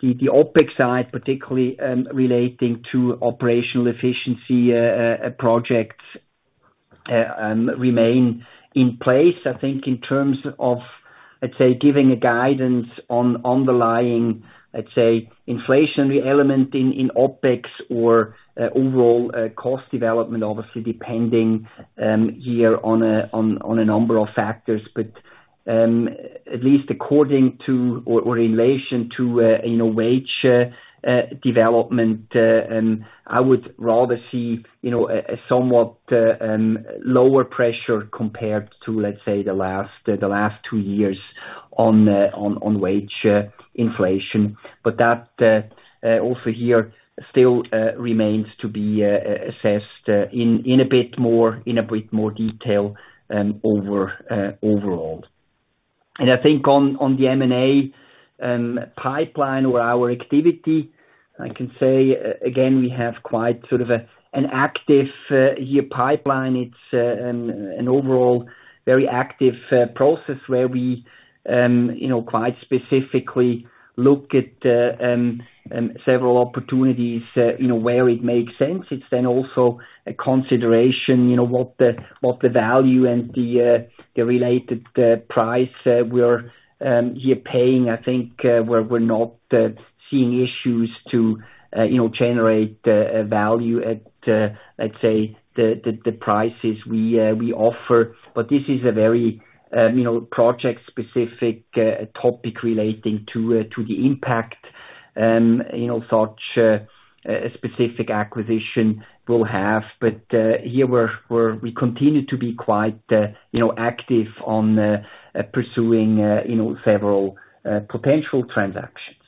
S4: the OpEx side, particularly relating to operational efficiency projects remain in place. I think in terms of, let's say, giving a guidance on underlying, let's say, inflationary element in OpEx or overall cost development, obviously, depending here on a number of factors. But at least according to, or in relation to, you know, wage development, and I would rather see, you know, a somewhat lower pressure compared to, let's say, the last two years on wage inflation. But that also here still remains to be assessed in a bit more detail overall. And I think on the M&A pipeline or our activity, I can say again, we have quite sort of an active year pipeline. It's an overall very active process where we, you know, quite specifically look at several opportunities, you know, where it makes sense. It's then also a consideration, you know, what the value and the related price we are here paying. I think, we're not seeing issues to, you know, generate a value at, let's say, the prices we offer. But this is a very, you know, project-specific topic relating to the impact, you know, such a specific acquisition will have. But, here we continue to be quite, you know, active on pursuing, you know, several potential transactions.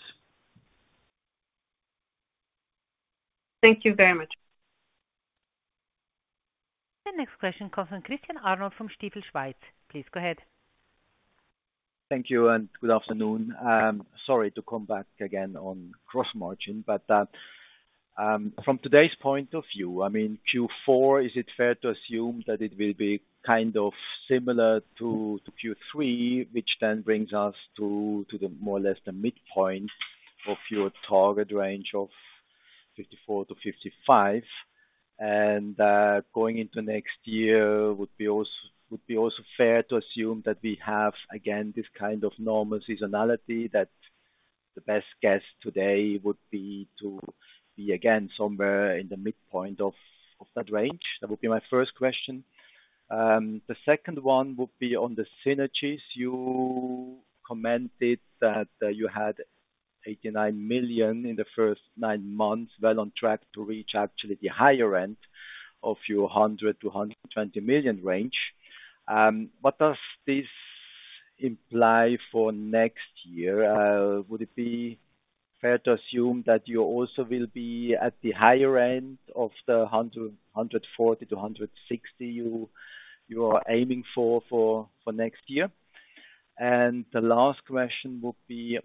S13: Thank you very much.
S1: The next question comes from Christian Arnold from Stifel Schweiz. Please go ahead.
S14: Thank you and good afternoon. Sorry to come back again on gross margin, but, from today's point of view, I mean, Q4, is it fair to assume that it will be kind of similar to Q3, which then brings us to the more or less the midpoint of your target range of 54%-55%? And, going into next year, would be als- would be also fair to assume that we have, again, this kind of normal seasonality, that the best guess today would be to be again, somewhere in the midpoint of that range? That would be my first question. The second one would be on the synergies. You commented that, you had 89 million in the first nine months, well on track to reach actually the higher end of your 100-120 million range. What does this imply for next year? Would it be fair to assume that you also will be at the higher end of the hundred forty to hundred sixty you are aiming for for next year? And the last question would be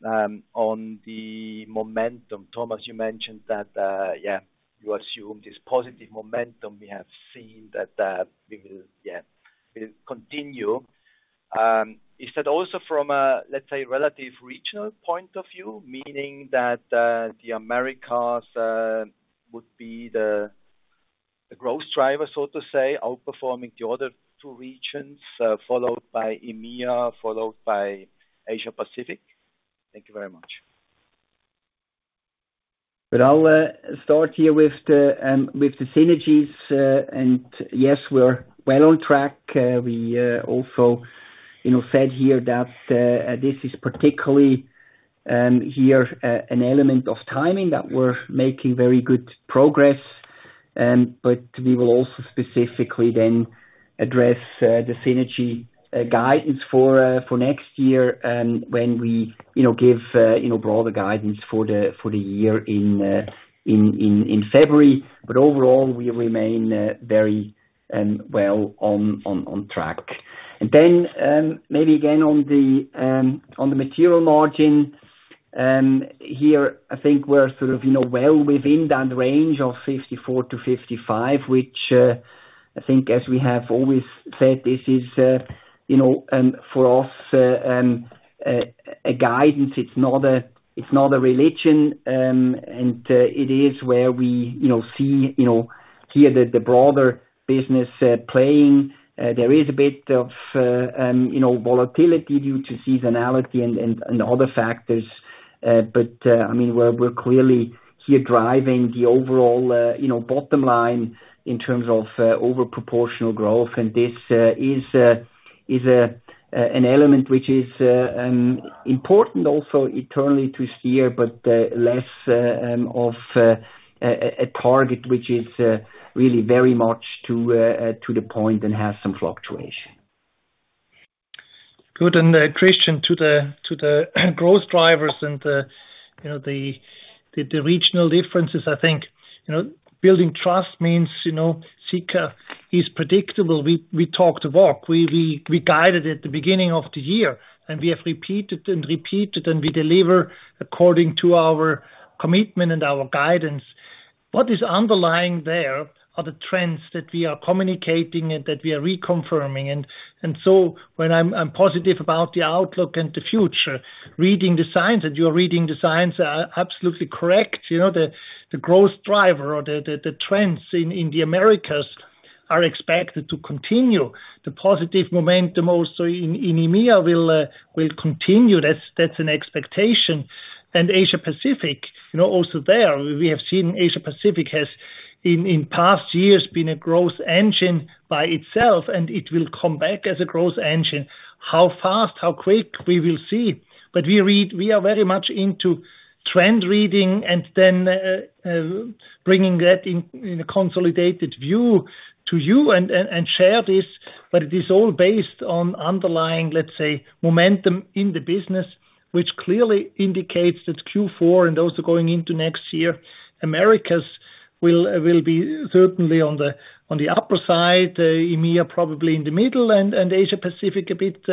S14: on the momentum. Thomas, you mentioned that you assume this positive momentum we have seen that we will continue. Is that also from a, let's say, relative regional point of view, meaning that the Americas would be the growth driver, so to say, outperforming the other two regions, followed by EMEA, followed by Asia Pacific? Thank you very much.
S4: But I'll start here with the synergies, and yes, we're well on track. We also, you know, said here that this is particularly an element of timing that we're making very good progress. But we will also specifically then address the synergy guidance for next year, when we, you know, give you know broader guidance for the year in February. But overall, we remain very well on track. Maybe again on the material margin, here I think we're sort of, you know, well within that range of 54%-55%, which I think as we have always said, this is, you know, for us, a guidance. It's not a religion. It is where we, you know, see, you know, here that the broader business playing. There is a bit of, you know, volatility due to seasonality and other factors. I mean, we're clearly here driving the overall, you know, bottom line in terms of over proportional growth. This is an element which is important also internally to steer, but less of a target, which is really very much to the point and have some fluctuation.
S3: Good. And, Christian, to the growth drivers and the regional differences, I think, you know, building trust means, you know, Sika is predictable. We talk the walk, we guided at the beginning of the year, and we have repeated and repeated, and we deliver according to our commitment and our guidance. What is underlying there are the trends that we are communicating and that we are reconfirming, and so when I'm positive about the outlook and the future, reading the signs, and you're reading the signs are absolutely correct. You know, the growth driver or the trends in the Americas are expected to continue. The positive momentum also in EMEA will continue. That's an expectation. Asia Pacific, you know, also there, we have seen Asia Pacific has, in past years, been a growth engine by itself, and it will come back as a growth engine. How fast, how quick, we will see. But we are very much into trend reading and then bringing that in a consolidated view to you and share this. But it is all based on underlying, let's say, momentum in the business, which clearly indicates that Q4 and also going into next year, Americas will be certainly on the upper side, EMEA probably in the middle, and Asia Pacific a bit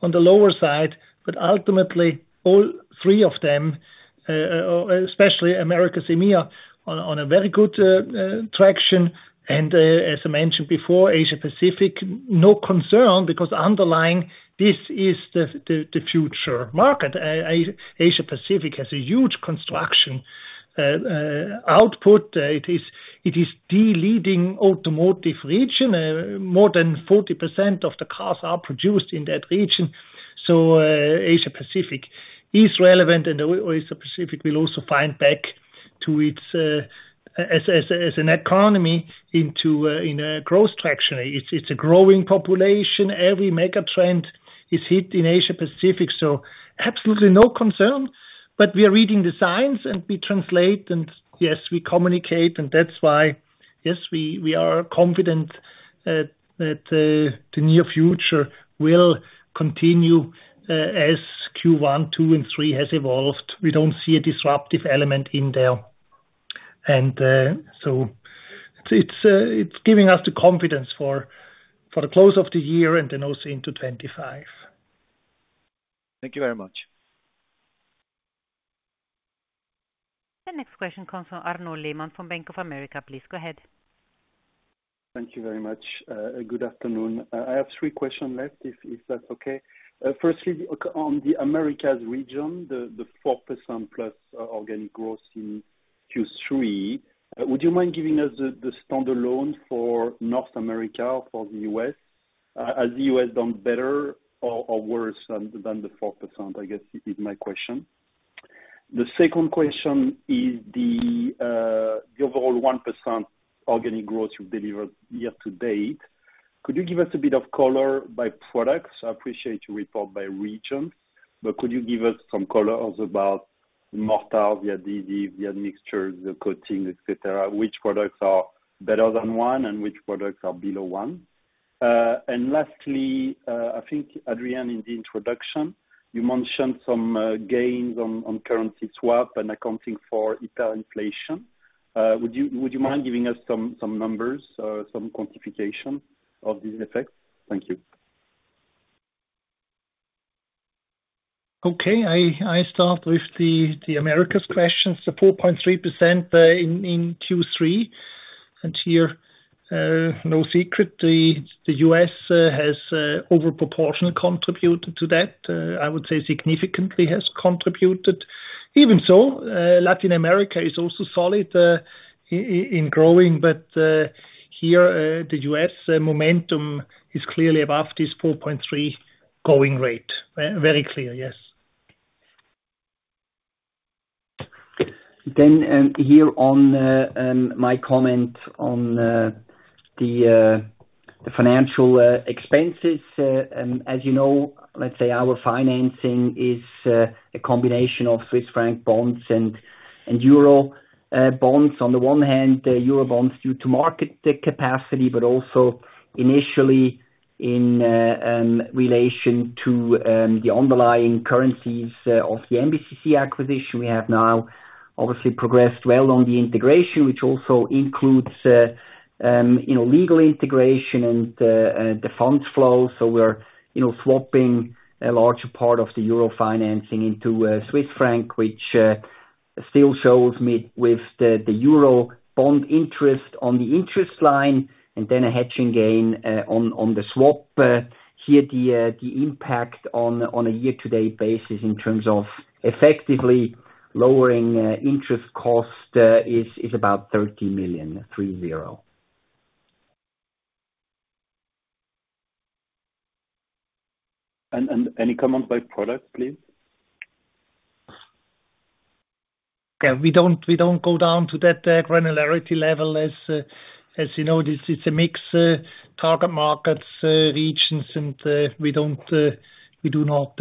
S3: on the lower side. But ultimately, all three of them, especially Americas, EMEA on a very good traction. As I mentioned before, Asia Pacific, no concern, because underlying this is the future market. Asia Pacific has a huge construction output. It is the leading automotive region. More than 40% of the cars are produced in that region. So, Asia Pacific is relevant, and Asia Pacific will also find back to its as an economy into a growth trajectory. It's a growing population. Every mega trend is hit in Asia Pacific, so absolutely no concern. But we are reading the signs, and we translate, and yes, we communicate, and that's why, yes, we are confident that the near future will continue as Q1, two and three has evolved. We don't see a disruptive element in there. It's giving us the confidence for the close of the year and then also into 2025.
S14: Thank you very much.
S1: The next question comes from Arnaud Lehmann from Bank of America. Please go ahead.
S15: Thank you very much. Good afternoon. I have three questions left, if that's okay. Firstly, on the Americas region, the 4% plus organic growth in Q3, would you mind giving us the standalone for North America or for the US? Has the US done better or worse than the 4%, I guess, is my question. The second question is the overall 1% organic growth you delivered year to date. Could you give us a bit of color by products? I appreciate your report by region, but could you give us some color also about mortar, the adhesive, the mixtures, the coating, et cetera? Which products are better than one and which products are below one? And lastly, I think Adrian, in the introduction. You mentioned some gains on currency swap and accounting for inflation. Would you mind giving us some numbers, some quantification of these effects? Thank you.
S3: Okay. I start with the Americas questions, the 4.3% in Q3, and here, no secret, the US has over proportional contributed to that. I would say significantly has contributed. Even so, Latin America is also solid in growing, but here, the US momentum is clearly above this 4.3% going rate. Very clear, yes.
S4: Here on my comment on the financial expenses. As you know, let's say our financing is a combination of Swiss franc bonds and euro bonds. On the one hand, the euro bonds, due to market capacity, but also initially in relation to the underlying currencies of the MBCC acquisition. We have now obviously progressed well on the integration, which also includes, you know, legal integration and the funds flow. So we're, you know, swapping a larger part of the euro financing into Swiss franc, which still shows me with the euro bond interest on the interest line, and then a hedging gain on the swap. Here, the impact on a year-to-date basis, in terms of effectively lowering interest cost, is about CHF 13.3 million.
S15: Any comment by product, please?
S3: Okay. We don't go down to that granularity level. As you know, this is a mix target markets regions, and we do not.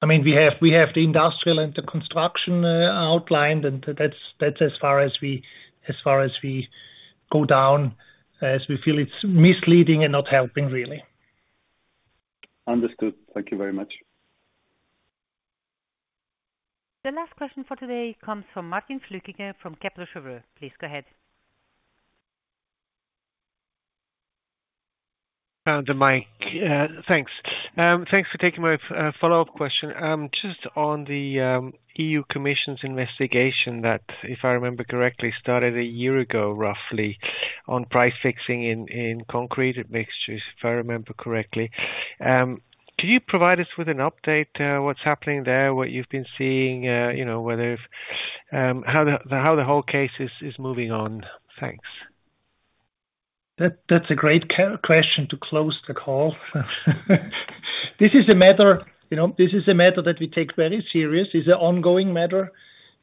S3: I mean, we have the industrial and the construction outlined, and that's as far as we go down, as we feel it's misleading and not helping, really.
S15: Understood. Thank you very much.
S1: The last question for today comes from Martin Flückiger from Kepler Cheuvreux. Please go ahead.
S7: Found the mic. Thanks. Thanks for taking my follow-up question. Just on the EU Commission's investigation that, if I remember correctly, started a year ago, roughly, on price fixing in concrete mixtures, if I remember correctly. Can you provide us with an update, what's happening there, what you've been seeing, you know, whether, how the whole case is moving on? Thanks.
S3: That's a great question to close the call. This is a matter, you know, this is a matter that we take very serious. It's an ongoing matter.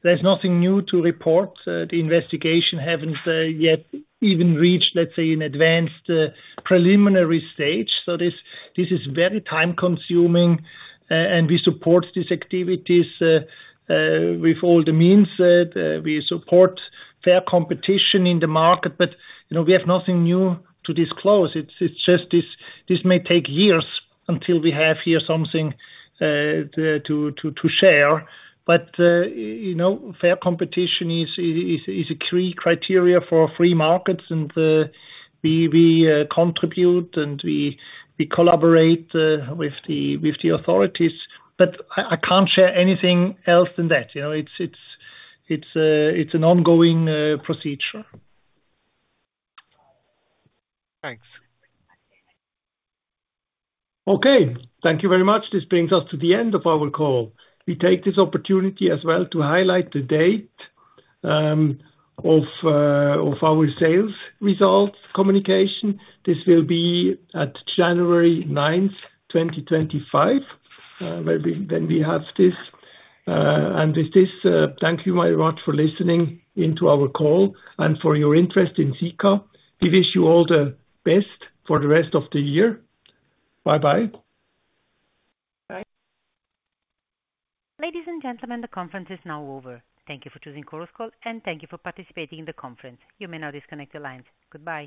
S3: There's nothing new to report. The investigation haven't yet even reached, let's say, an advanced preliminary stage. So this, this is very time-consuming, and we support these activities with all the means that we support fair competition in the market, but, you know, we have nothing new to disclose. It's, it's just this, this may take years until we have here something to, to, to share. But, you know, fair competition is, is, is a key criteria for free markets, and we, we contribute and we, we collaborate with the, with the authorities. But I, I can't share anything else than that. You know, it's an ongoing procedure.
S7: Thanks.
S3: Okay. Thank you very much. This brings us to the end of our call. We take this opportunity as well to highlight the date of our sales results communication. This will be at January ninth, 2025, when we have this. And with this, thank you very much for listening into our call and for your interest in Sika. We wish you all the best for the rest of the year. Bye-bye.
S1: Ladies and gentlemen, the conference is now over. Thank you for choosing Chorus Call, and thank you for participating in the conference. You may now disconnect your lines. Goodbye.